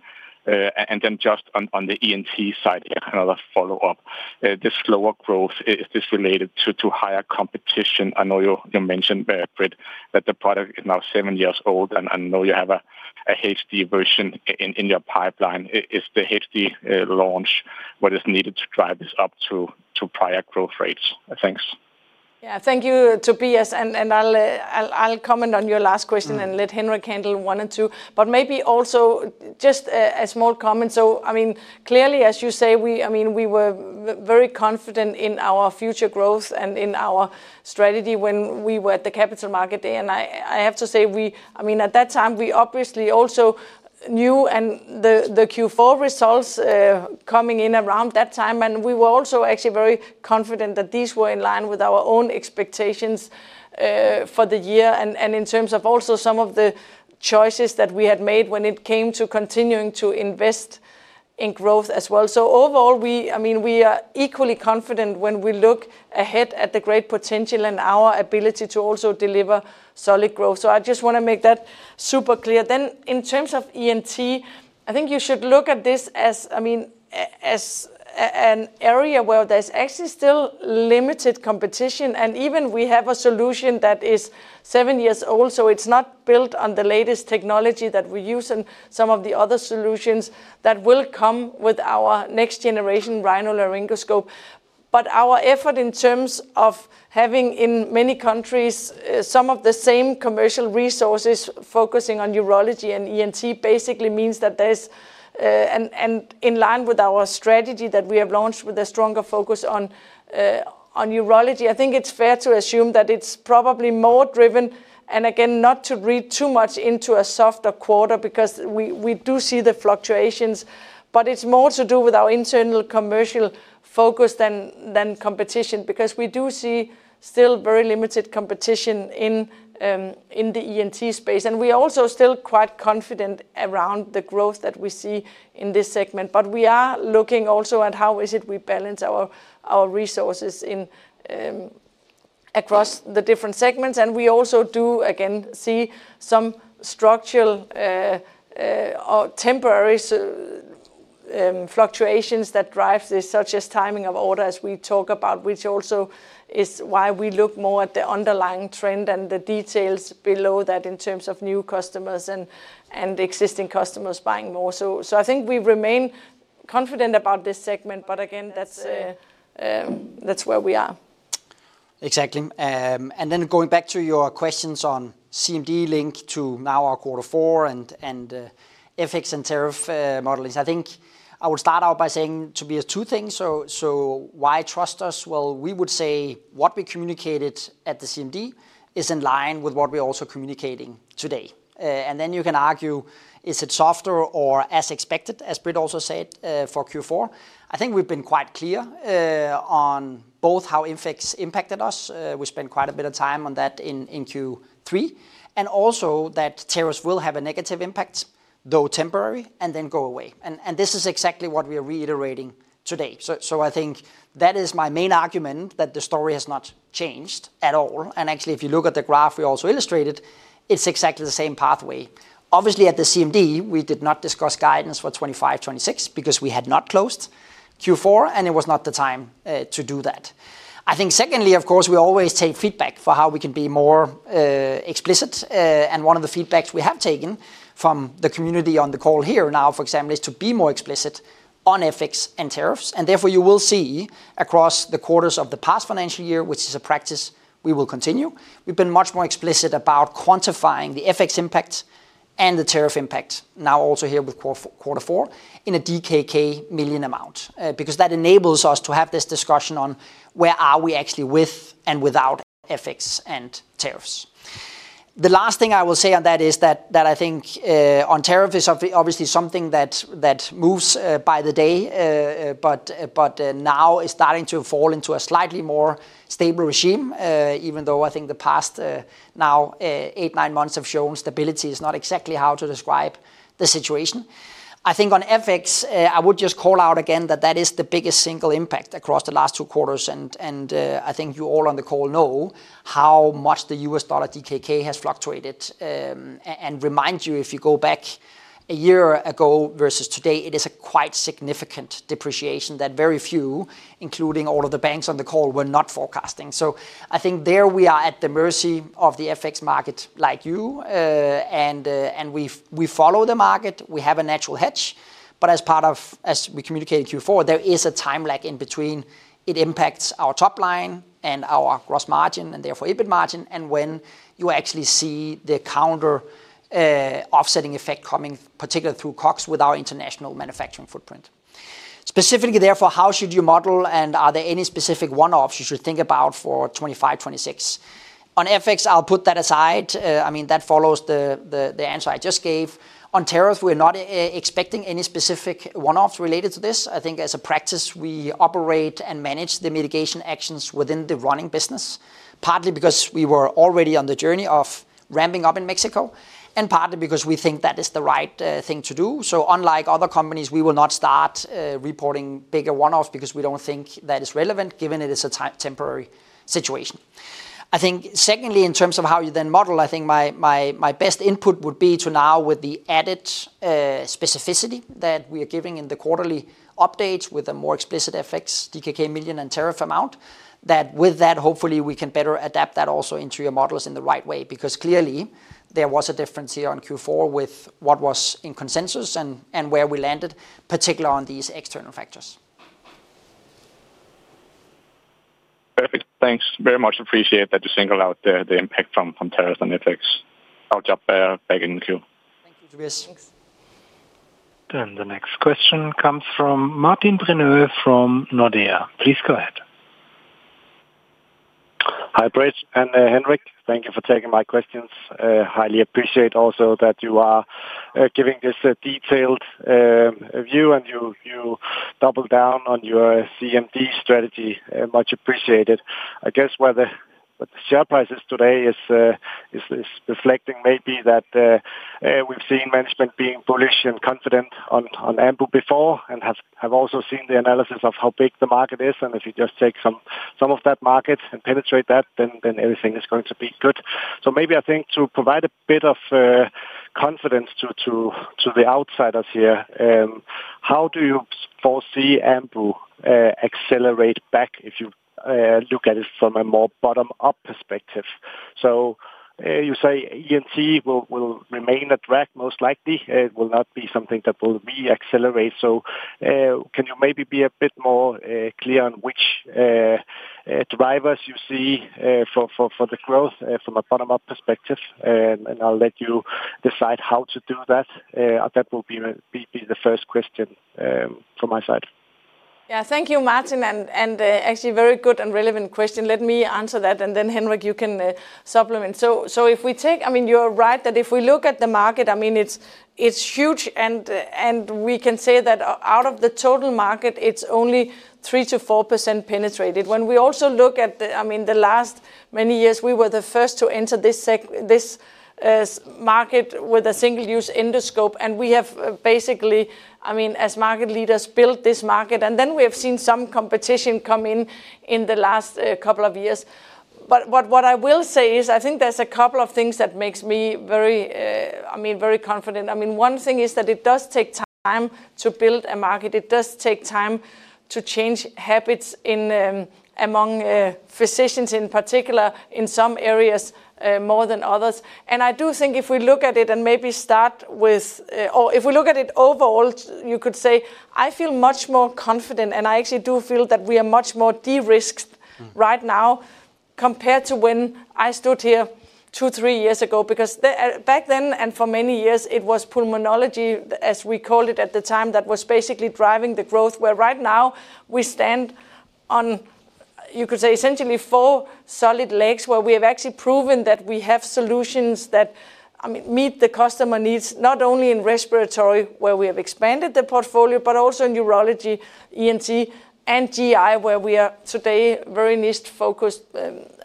Just on the ENT side, another follow-up. This slower growth, is this related to higher competition? I know you mentioned, Britt, that the product is now seven years old, and I know you have a HD version in your pipeline. Is the HD launch what is needed to drive this up to prior growth rates? Thanks. Yeah, thank you, Tobias. I'll comment on your last question and let Henrik handle one and two. Maybe also just a small comment. I mean, clearly, as you say, we were very confident in our future growth and in our strategy when we were at the capital market there. I have to say, at that time, we obviously also knew the Q4 results coming in around that time. We were also actually very confident that these were in line with our own expectations for the year and in terms of also some of the choices that we had made when it came to continuing to invest in growth as well. Overall, I mean, we are equally confident when we look ahead at the great potential and our ability to also deliver solid growth. I just want to make that super clear. In terms of ENT, I think you should look at this as an area where there's actually still limited competition. Even we have a solution that is seven years old, so it's not built on the latest technology that we use and some of the other solutions that will come with our next-generation Rhino-Laryngoscope. Our effort in terms of having in many countries some of the same commercial resources focusing on urology and ENT basically means that there is, in line with our strategy that we have launched with a stronger focus on urology, I think it is fair to assume that it is probably more driven, and again, not to read too much into a softer quarter because we do see the fluctuations, but it is more to do with our internal commercial focus than competition because we do see still very limited competition in the ENT space. We are also still quite confident around the growth that we see in this segment. We are looking also at how it is we balance our resources across the different segments. We also do, again, see some structural or temporary. Fluctuations that drive this, such as timing of order as we talk about, which also is why we look more at the underlying trend and the details below that in terms of new customers and existing customers buying more. I think we remain confident about this segment, but again, that is where we are. Exactly. Going back to your questions on CMD link to now our quarter four and FX and tariff modelings, I think I will start out by saying to be two things. Why trust us? We would say what we communicated at the CMD is in line with what we are also communicating today. You can argue, is it softer or as expected, as Britt also said for Q4? I think we have been quite clear on both how FX impacted us. We spent quite a bit of time on that in Q3. Also, that tariffs will have a negative impact, though temporary, and then go away. This is exactly what we are reiterating today. I think that is my main argument, that the story has not changed at all. Actually, if you look at the graph we also illustrated, it is exactly the same pathway. Obviously, at the CMD, we did not discuss guidance for 2025, 2026 because we had not closed Q4, and it was not the time to do that. I think secondly, of course, we always take feedback for how we can be more explicit. One of the feedbacks we have taken from the community on the call here now, for example, is to be more explicit on FX and tariffs. Therefore, you will see across the quarters of the past financial year, which is a practice we will continue, we've been much more explicit about quantifying the FX impact and the tariff impact now also here with quarter four in a DKK million amount because that enables us to have this discussion on where are we actually with and without FX and tariffs. The last thing I will say on that is that I think on tariff is obviously something that moves by the day, but now is starting to fall into a slightly more stable regime, even though I think the past now eight, nine months have shown stability is not exactly how to describe the situation. I think on FX, I would just call out again that that is the biggest single impact across the last two quarters. I think you all on the call know how much the U.S. dollar DKK has fluctuated. Remind you, if you go back a year ago versus today, it is a quite significant depreciation that very few, including all of the banks on the call, were not forecasting. I think there we are at the mercy of the FX market like you. We follow the market. We have a natural hedge. As part of, as we communicated Q4, there is a time lag in between it impacts our top line and our gross margin and therefore EBIT margin. When you actually see the counter offsetting effect coming, particularly through COGS with our international manufacturing footprint. Specifically, therefore, how should you model and are there any specific one-offs you should think about for 2025, 2026? On FX, I'll put that aside. I mean, that follows the answer I just gave. On tariffs, we're not expecting any specific one-offs related to this. I think as a practice, we operate and manage the mitigation actions within the running business, partly because we were already on the journey of ramping up in Mexico and partly because we think that is the right thing to do. Unlike other companies, we will not start reporting bigger one-offs because we don't think that is relevant given it is a temporary situation. I think secondly, in terms of how you then model, I think my best input would be to now with the added specificity that we are giving in the quarterly updates with a more explicit FX, DKK million and tariff amount, that with that, hopefully, we can better adapt that also into your models in the right way because clearly there was a difference here on Q4 with what was in consensus and where we landed, particularly on these external factors. Perfect. Thanks. Very much appreciate that you single out the impact from tariffs and FX. I'll jump back in queue. Thank you, Tobias. Thanks. Then the next question comes from Martin Brenøe from Nordea. Please go ahead. Hi, Britt and Henrik. Thank you for taking my questions. Highly appreciate also that you are giving this detailed. View and you double down on your CMD strategy. Much appreciated. I guess what the share price is today is reflecting maybe that we've seen management being bullish and confident on Ambu before and have also seen the analysis of how big the market is. If you just take some of that market and penetrate that, then everything is going to be good. Maybe I think to provide a bit of confidence to the outsiders here, how do you foresee Ambu accelerate back if you look at it from a more bottom-up perspective? You say ENT will remain a drag most likely. It will not be something that will re-accelerate. Can you maybe be a bit more clear on which drivers you see for the growth from a bottom-up perspective? I'll let you decide how to do that. That will be the first question from my side. Yeah, thank you, Martin. Actually, very good and relevant question. Let me answer that. Then Henrik, you can supplement. If we take, I mean, you're right that if we look at the market, it's huge. We can say that out of the total market, it's only 3%-4% penetrated. When we also look at the last many years, we were the first to enter this market with a single-use endoscope. We have basically, as market leaders, built this market. We have seen some competition come in in the last couple of years. What I will say is I think there's a couple of things that makes me very confident. One thing is that it does take time to build a market. It does take time to change habits among physicians, in particular in some areas more than others. I do think if we look at it and maybe start with, or if we look at it overall, you could say I feel much more confident. I actually do feel that we are much more de-risked right now compared to when I stood here two, three years ago. Because back then and for many years, it was pulmonology, as we called it at the time, that was basically driving the growth. Right now we stand on, you could say, essentially four solid legs where we have actually proven that we have solutions that, I mean, meet the customer needs, not only in respiratory, where we have expanded the portfolio, but also in urology, ENT, and GI, where we are today very niche-focused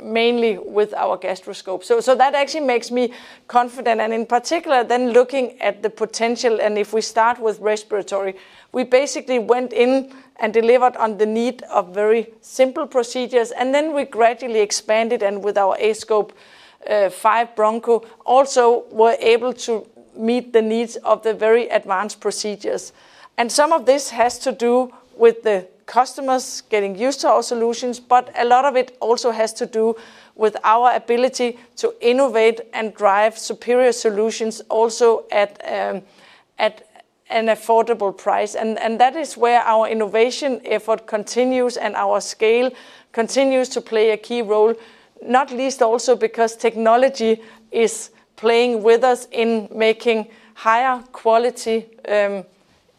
mainly with our gastroscope. That actually makes me confident. In particular, then looking at the potential, if we start with respiratory, we basically went in and delivered on the need of very simple procedures. We gradually expanded and with our aScope 5 Broncho, also were able to meet the needs of the very advanced procedures. Some of this has to do with the customers getting used to our solutions, but a lot of it also has to do with our ability to innovate and drive superior solutions also at an affordable price. That is where our innovation effort continues and our scale continues to play a key role, not least also because technology is playing with us in making higher quality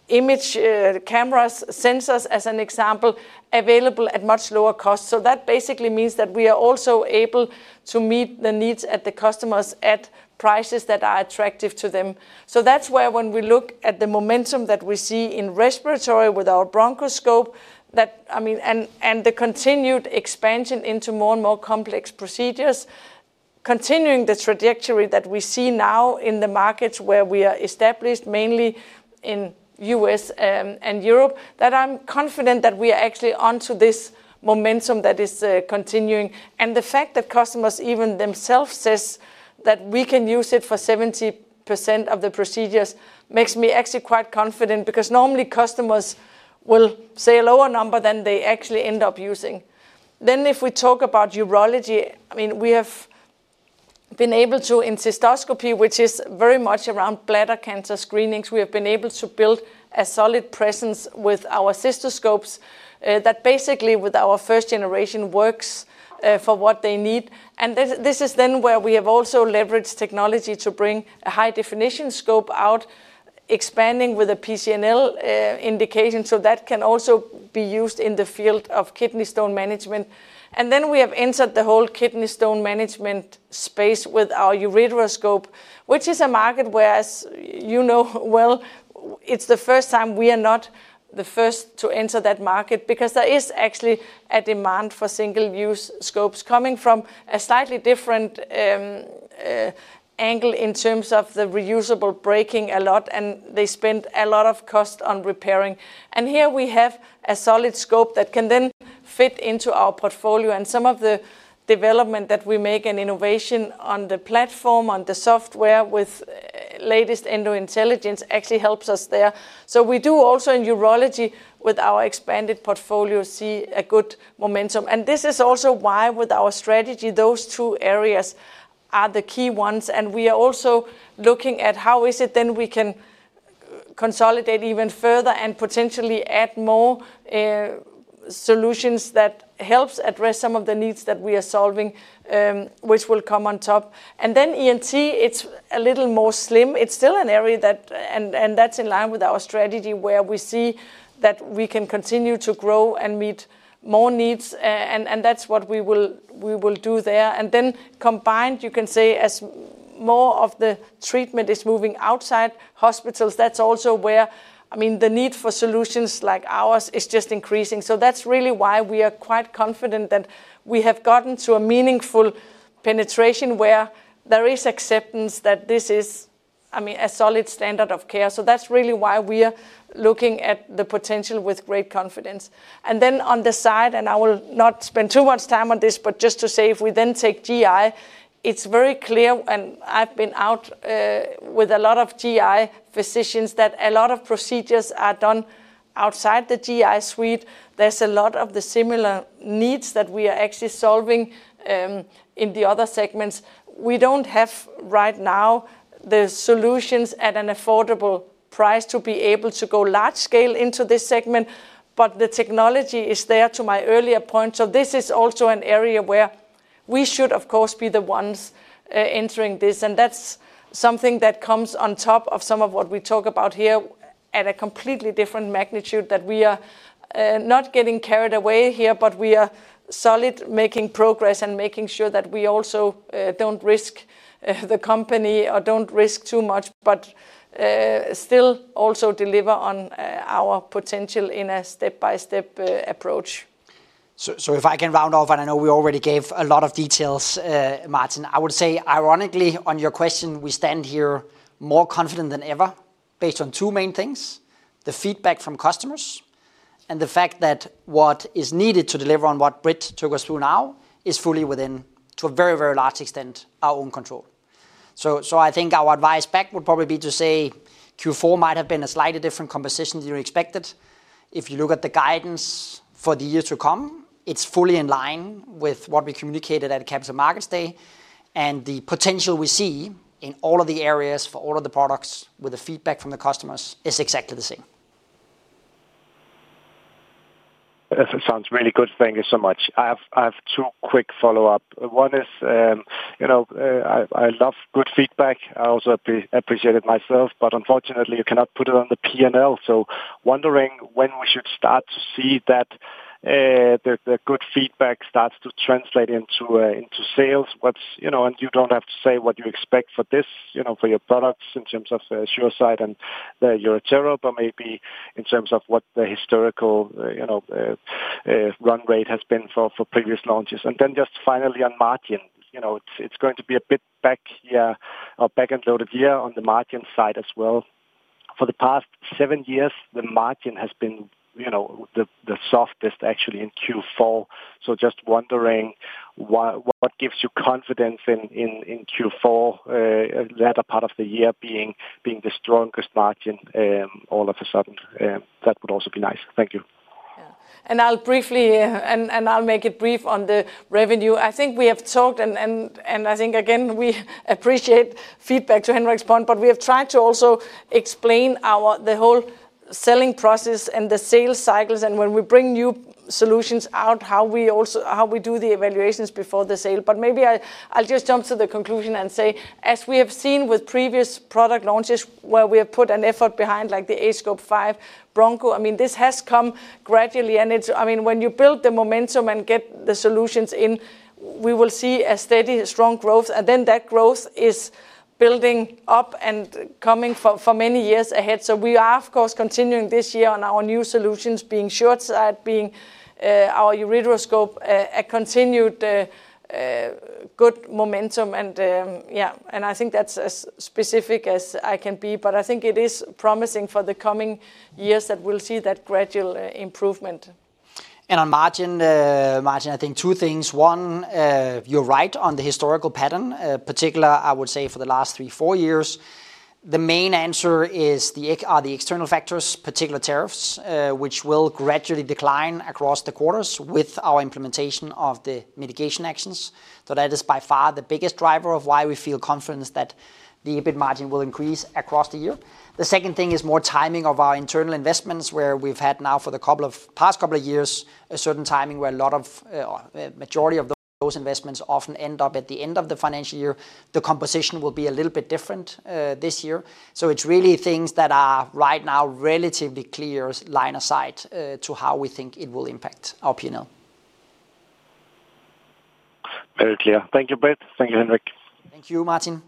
image cameras, sensors as an example, available at much lower costs. That basically means that we are also able to meet the needs at the customers at prices that are attractive to them. That is where, when we look at the momentum that we see in respiratory with our bronchoscope, and the continued expansion into more and more complex procedures, continuing the trajectory that we see now in the markets where we are established, mainly in the U.S. and Europe, I am confident that we are actually onto this momentum that is continuing. The fact that customers even themselves say that we can use it for 70% of the procedures makes me actually quite confident because normally customers will say a lower number than they actually end up using. If we talk about urology, I mean, we have. Been able to in cystoscopy, which is very much around bladder cancer screenings, we have been able to build a solid presence with our cystoscopes that basically with our first-generation works for what they need. This is then where we have also leveraged technology to bring a high-definition scope out. Expanding with a PCNL indication so that can also be used in the field of kidney stone management. We have entered the whole kidney stone management space with our ureteroscope, which is a market where, as you know well, it's the first time we are not the first to enter that market because there is actually a demand for single-use scopes coming from a slightly different angle in terms of the reusable breaking a lot, and they spend a lot of cost on repairing. Here we have a solid scope that can then fit into our portfolio. Some of the development that we make and innovation on the platform, on the software with the latest Endo Intelligence actually helps us there. We do also in urology with our expanded portfolio see good momentum. This is also why with our strategy, those two areas are the key ones. We are also looking at how it is then we can consolidate even further and potentially add more solutions that help address some of the needs that we are solving, which will come on top. ENT is a little more slim. It is still an area that, and that is in line with our strategy, where we see that we can continue to grow and meet more needs. That is what we will do there. Then combined, you can say as more of the treatment is moving outside hospitals, that's also where, I mean, the need for solutions like ours is just increasing. That's really why we are quite confident that we have gotten to a meaningful penetration where there is acceptance that this is, I mean, a solid standard of care. That's really why we are looking at the potential with great confidence. On the side, and I will not spend too much time on this, but just to say if we then take GI, it's very clear, and I've been out with a lot of GI physicians, that a lot of procedures are done outside the GI suite. There's a lot of the similar needs that we are actually solving in the other segments. We don't have right now. The solutions at an affordable price to be able to go large scale into this segment, but the technology is there to my earlier point. This is also an area where we should, of course, be the ones entering this. That is something that comes on top of some of what we talk about here at a completely different magnitude. We are not getting carried away here, but we are solid making progress and making sure that we also do not risk the company or do not risk too much. Still also deliver on our potential in a step-by-step approach. If I can round off, and I know we already gave a lot of details, Martin, I would say ironically on your question, we stand here more confident than ever based on two main things: the feedback from customers and the fact that what is needed to deliver on what Britt took us through now is fully within to a very, very large extent our own control. I think our advice back would probably be to say Q4 might have been a slightly different composition than you expected. If you look at the guidance for the year to come, it's fully in line with what we communicated at Capital Markets Day. The potential we see in all of the areas for all of the products with the feedback from the customers is exactly the same. That sounds really good. Thank you so much. I have two quick follow-ups. One is, I love good feedback. I also appreciate it myself, but unfortunately, you cannot put it on the P&L. I am wondering when we should start to see that the good feedback starts to translate into sales. You do not have to say what you expect for this, for your products in terms of your site and your cherub, but maybe in terms of what the historical run rate has been for previous launches. Finally, on Martin, it is going to be a bit back here or back and loaded here on the Martin side as well. For the past seven years, the Martin has been the softest actually in Q4. I am just wondering what gives you confidence in Q4, that part of the year being the strongest Martin all of a sudden. That would also be nice. Thank you. I'll make it brief on the revenue. I think we have talked, and I think again, we appreciate feedback to Henrik's point, but we have tried to also explain the whole selling process and the sales cycles. When we bring new solutions out, how we do the evaluations before the sale. Maybe I'll just jump to the conclusion and say, as we have seen with previous product launches where we have put an effort behind like the aScope 5 Broncho, I mean, this has come gradually. I mean, when you build the momentum and get the solutions in, we will see a steady strong growth. That growth is building up and coming for many years ahead. We are, of course, continuing this year on our new solutions, being SureSight, being our ureteroscope, a continued good momentum. Yeah, I think that's as specific as I can be, but I think it is promising for the coming years that we'll see that gradual improvement. On Martin, I think two things. One, you're right on the historical pattern, particularly I would say for the last three to four years. The main answer is the external factors, particularly tariffs, which will gradually decline across the quarters with our implementation of the mitigation actions. That is by far the biggest driver of why we feel confident that the EBIT margin will increase across the year. The second thing is more timing of our internal investments where we've had now for the past couple of years a certain timing where a majority of those investments often end up at the end of the financial year. The composition will be a little bit different this year. It's really things that are right now relatively clear line of sight to how we think it will impact our P&L. Very clear. Thank you, Britt. Thank you, Henrik. Thank you, Martin.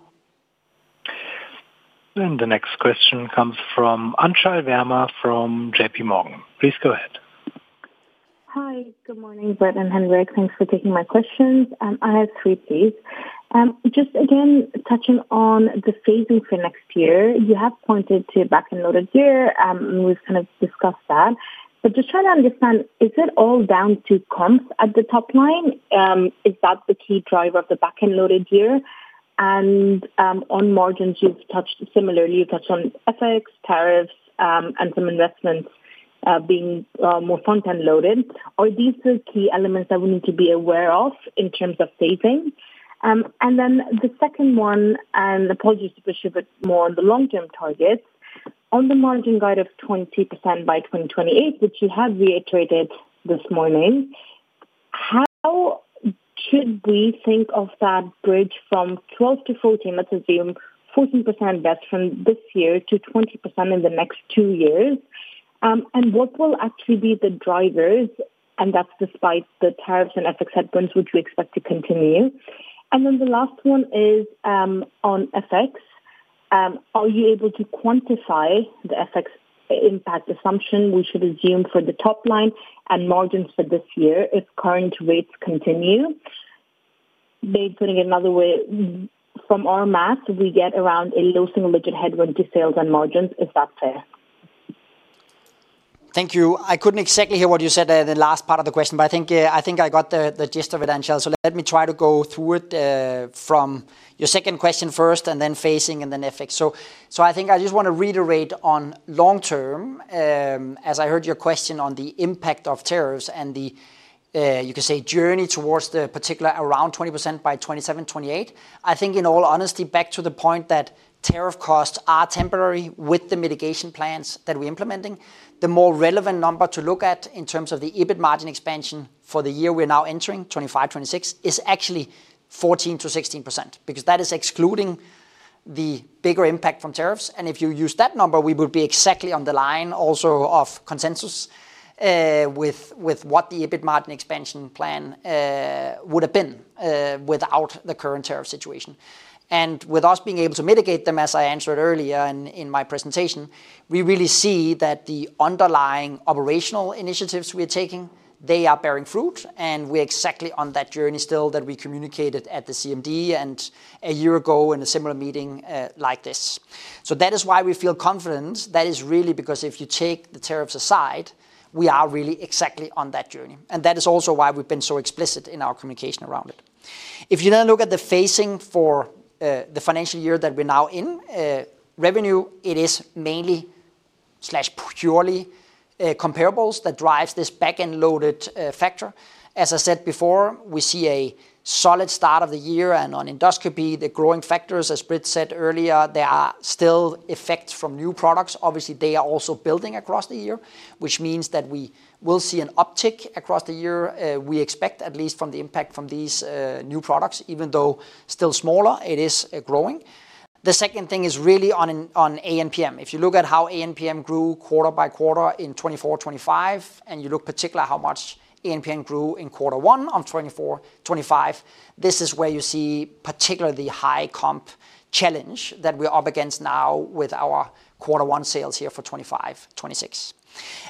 The next question comes from Anchal Verma from J.P. Morgan. Please go ahead. Hi, good morning, Britt and Henrik. Thanks for taking my questions. I have three, please. Just again, touching on the phasing for next year, you have pointed to back and loaded year. We've kind of discussed that. Just trying to understand, is it all down to comps at the top line? Is that the key driver of the back and loaded year? On margins, you've touched similarly, you've touched on FX, tariffs, and some investments being more front and loaded. Are these the key elements that we need to be aware of in terms of phasing? Then the second one, and apologies to push you, but more on the long-term targets, on the margin guide of 20% by 2028, which you have reiterated this morning. How should we think of that bridge from 12% to 14%, let's assume 14% best from this year to 20% in the next two years? What will actually be the drivers? That is despite the tariffs and FX headwinds, which we expect to continue. The last one is on FX. Are you able to quantify the FX impact assumption we should assume for the top line and margins for this year if current rates continue? Maybe putting it another way, from our math, we get around a low single-digit headwind to sales and margins. Is that fair? Thank you. I could not exactly hear what you said at the last part of the question, but I think I got the gist of it, Anchal. Let me try to go through it from your second question first, and then phasing, and then FX. I just want to reiterate on long-term, as I heard your question on the impact of tariffs and the, you could say, journey towards the particular around 20% by 2027, 2028. In all honesty, back to the point that tariff costs are temporary with the mitigation plans that we are implementing, the more relevant number to look at in terms of the EBIT margin expansion for the year we are now entering, 2025, 2026, is actually 14%-16% because that is excluding the bigger impact from tariffs. If you use that number, we would be exactly on the line also of consensus. With what the EBIT margin expansion plan would have been without the current tariff situation, and with us being able to mitigate them, as I answered earlier in my presentation, we really see that the underlying operational initiatives we're taking, they are bearing fruit. We're exactly on that journey still that we communicated at the CMD and a year ago in a similar meeting like this. That is why we feel confident. That is really because if you take the tariffs aside, we are really exactly on that journey. That is also why we've been so explicit in our communication around it. If you then look at the phasing for the financial year that we're now in, revenue, it is mainly, slash purely comparables that drives this back and loaded factor. As I said before, we see a solid start of the year. On endoscopy, the growing factors, as Britt said earlier, there are still effects from new products. Obviously, they are also building across the year, which means that we will see an uptick across the year. We expect, at least from the impact from these new products, even though still smaller, it is growing. The second thing is really on ANPM. If you look at how ANPM grew quarter by quarter in 2024-2025, and you look particularly how much ANPM grew in quarter one of 2024-2025, this is where you see particularly high comp challenge that we're up against now with our quarter one sales here for 2025-2026.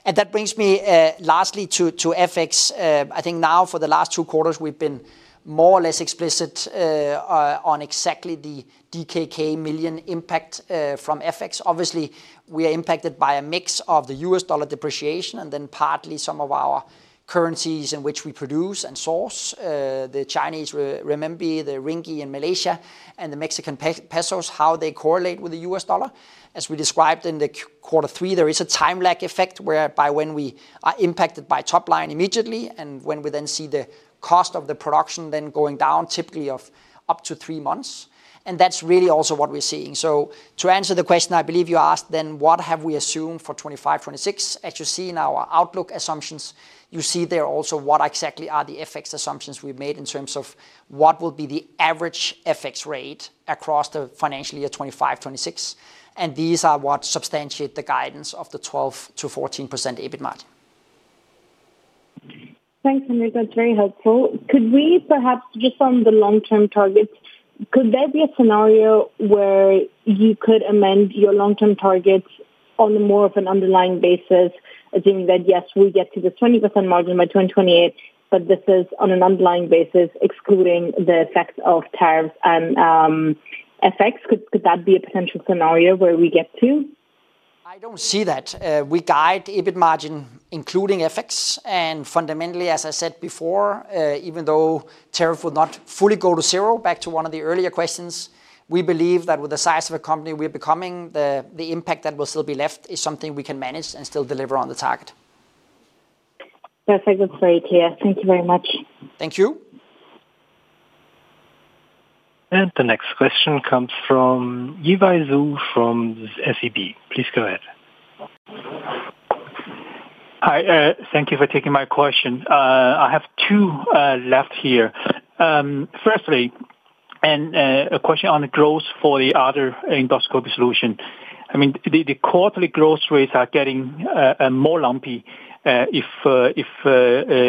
That brings me lastly to FX. I think now for the last two quarters, we've been more or less explicit on exactly the DKK million impact from FX. Obviously, we are impacted by a mix of the U.S. dollar depreciation and then partly some of our currencies in which we produce and source, the Chinese renminbi, the ringgit in Malaysia, and the Mexican peso, how they correlate with the U.S. dollar. As we described in quarter three, there is a time lag effect whereby we are impacted by top line immediately and when we then see the cost of the production then going down typically of up to three months. That's really also what we're seeing. To answer the question I believe you asked then, what have we assumed for 2025, 2026? As you see in our outlook assumptions, you see there also what exactly are the FX assumptions we've made in terms of what will be the average FX rate across the financial year 2025, 2026. These are what substantiate the guidance of the 12%-14% EBIT margin. Thanks, Henrik. That's very helpful. Could we perhaps, just on the long-term targets, could there be a scenario where you could amend your long-term targets on more of an underlying basis, assuming that yes, we get to the 20% margin by 2028, but this is on an underlying basis, excluding the effects of tariffs and FX? Could that be a potential scenario where we get to? I don't see that. We guide EBIT margin, including FX. Fundamentally, as I said before, even though tariffs would not fully go to zero, back to one of the earlier questions, we believe that with the size of a company we're becoming, the impact that will still be left is something we can manage and still deliver on the target. Perfectly straight here. Thank you very much. Thank you. The next question comes from Yiwei Zhou from SEB. Please go ahead. Hi. Thank you for taking my question. I have two left here. Firstly, a question on the growth for the other endoscopy solution. I mean, the quarterly growth rates are getting more lumpy. If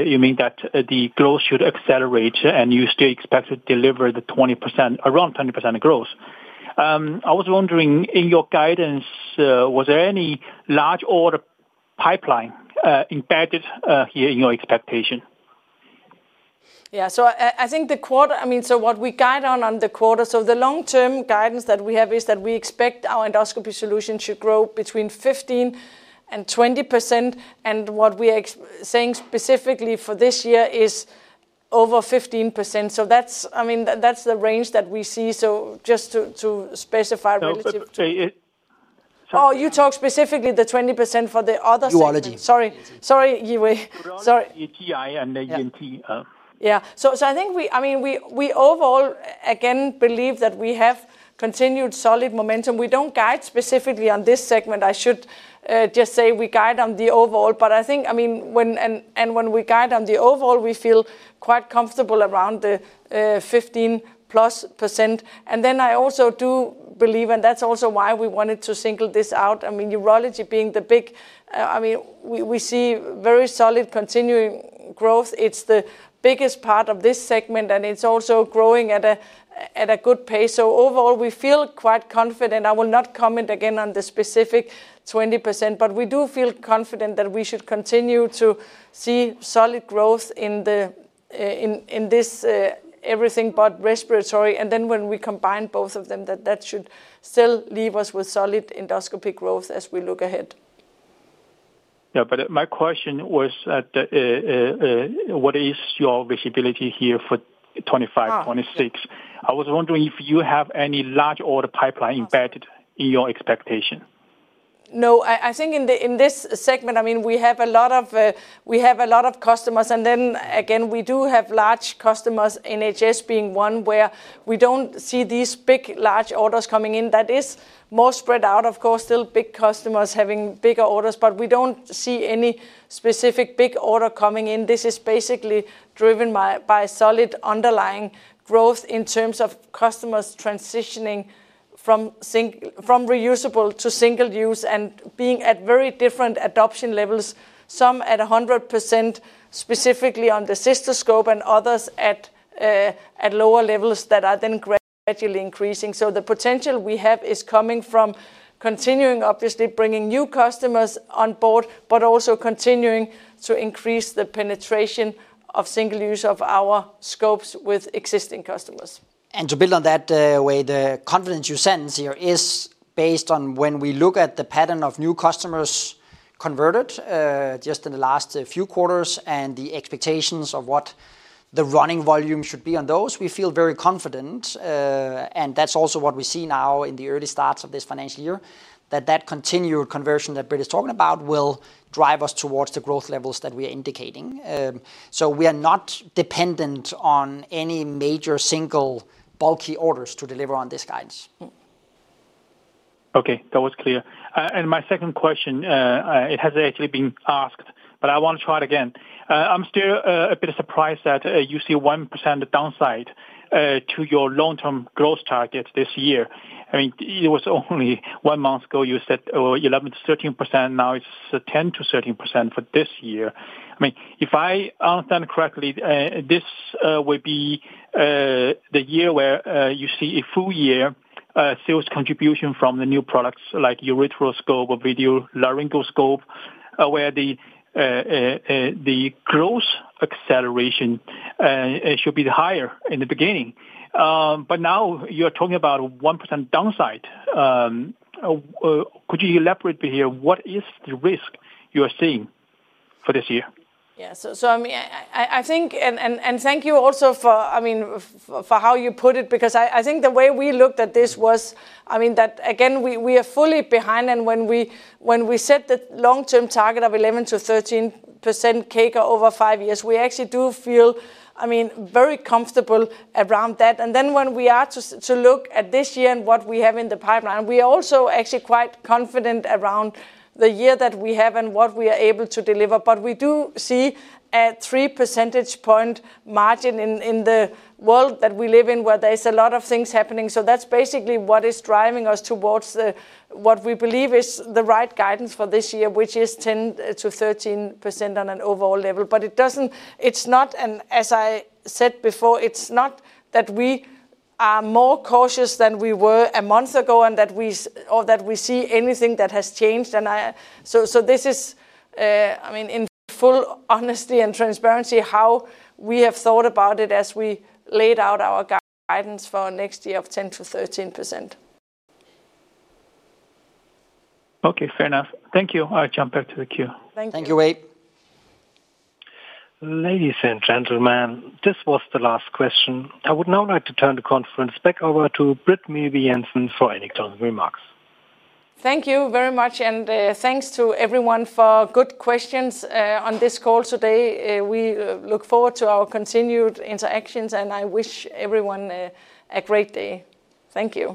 you mean that the growth should accelerate and you still expect to deliver the 20%, around 20% of growth, I was wondering, in your guidance, was there any large order pipeline embedded here in your expectation? Yeah. I think the quarter, I mean, what we guide on the quarter, the long-term guidance that we have is that we expect our endoscopy solution should grow between 15% and 20%. What we are saying specifically for this year is over 15%. That is, I mean, that is the range that we see. Just to specify. Oh, you talk specifically the 20% for the other sector. Sorry. Sorry, Yiwei. Sorry. ETI and ENT. Yeah. I think we, I mean, we overall, again, believe that we have continued solid momentum. We do not guide specifically on this segment. I should just say we guide on the overall. I think, I mean, and when we guide on the overall, we feel quite comfortable around the 15%+. I also do believe, and that is also why we wanted to single this out. I mean, urology being the big, I mean, we see very solid continuing growth. It is the biggest part of this segment, and it is also growing at a good pace. Overall, we feel quite confident. I will not comment again on the specific 20%, but we do feel confident that we should continue to see solid growth in this, everything but respiratory. When we combine both of them, that should still leave us with solid endoscopy growth as we look ahead. Yeah. My question was, what is your visibility here for 2025, 2026? I was wondering if you have any large order pipeline embedded in your expectation. No, I think in this segment, we have a lot of customers. We do have large customers, NHS being one, where we do not see these big large orders coming in. That is more spread out, of course, still big customers having bigger orders, but we do not see any specific big order coming in. This is basically driven by solid underlying growth in terms of customers transitioning from reusable to single use and being at very different adoption levels, some at 100% specifically on the cystoscope and others at. Lower levels that are then gradually increasing. The potential we have is coming from continuing, obviously, bringing new customers on board, but also continuing to increase the penetration of single use of our scopes with existing customers. To build on that way, the confidence you sense here is based on when we look at the pattern of new customers converted just in the last few quarters and the expectations of what the running volume should be on those. We feel very confident. That is also what we see now in the early starts of this financial year, that continued conversion that Britt is talking about will drive us towards the growth levels that we are indicating. We are not dependent on any major single bulky orders to deliver on this guidance. Okay. That was clear. My second question, it has actually been asked, but I want to try it again. I'm still a bit surprised that you see 1% downside to your long-term growth target this year. I mean, it was only one month ago you said 11%-13%. Now it's 10%-13% for this year. I mean, if I understand correctly, this would be the year where you see a full-year sales contribution from the new products like ureteroscope or video laryngoscope, where the growth acceleration should be higher in the beginning. Now you are talking about 1% downside. Could you elaborate here? What is the risk you are seeing for this year? Yeah. I think, and thank you also for how you put it, because I think the way we looked at this was that again, we are fully behind. When we set the long-term target of 11%-13% CAGR over five years, we actually do feel, I mean, very comfortable around that. When we are to look at this year and what we have in the pipeline, we are also actually quite confident around the year that we have and what we are able to deliver. We do see a three percentage point margin in the world that we live in where there's a lot of things happening. That's basically what is driving us towards what we believe is the right guidance for this year, which is 10%-13% on an overall level. It's not, and as I said before, it's not that we are more cautious than we were a month ago and that we see anything that has changed. This is. I mean, in full honesty and transparency, how we have thought about it as we laid out our guidance for next year of 10%-13%. Okay. Fair enough. Thank you. I'll jump back to the queue. Thank you. Thank you, Yiwei. Ladies and gentlemen, this was the last question. I would now like to turn the conference back over to Britt Meelby Jensen for any remarks. Thank you very much. And thanks to everyone for good questions on this call today. We look forward to our continued interactions, and I wish everyone a great day. Thank you.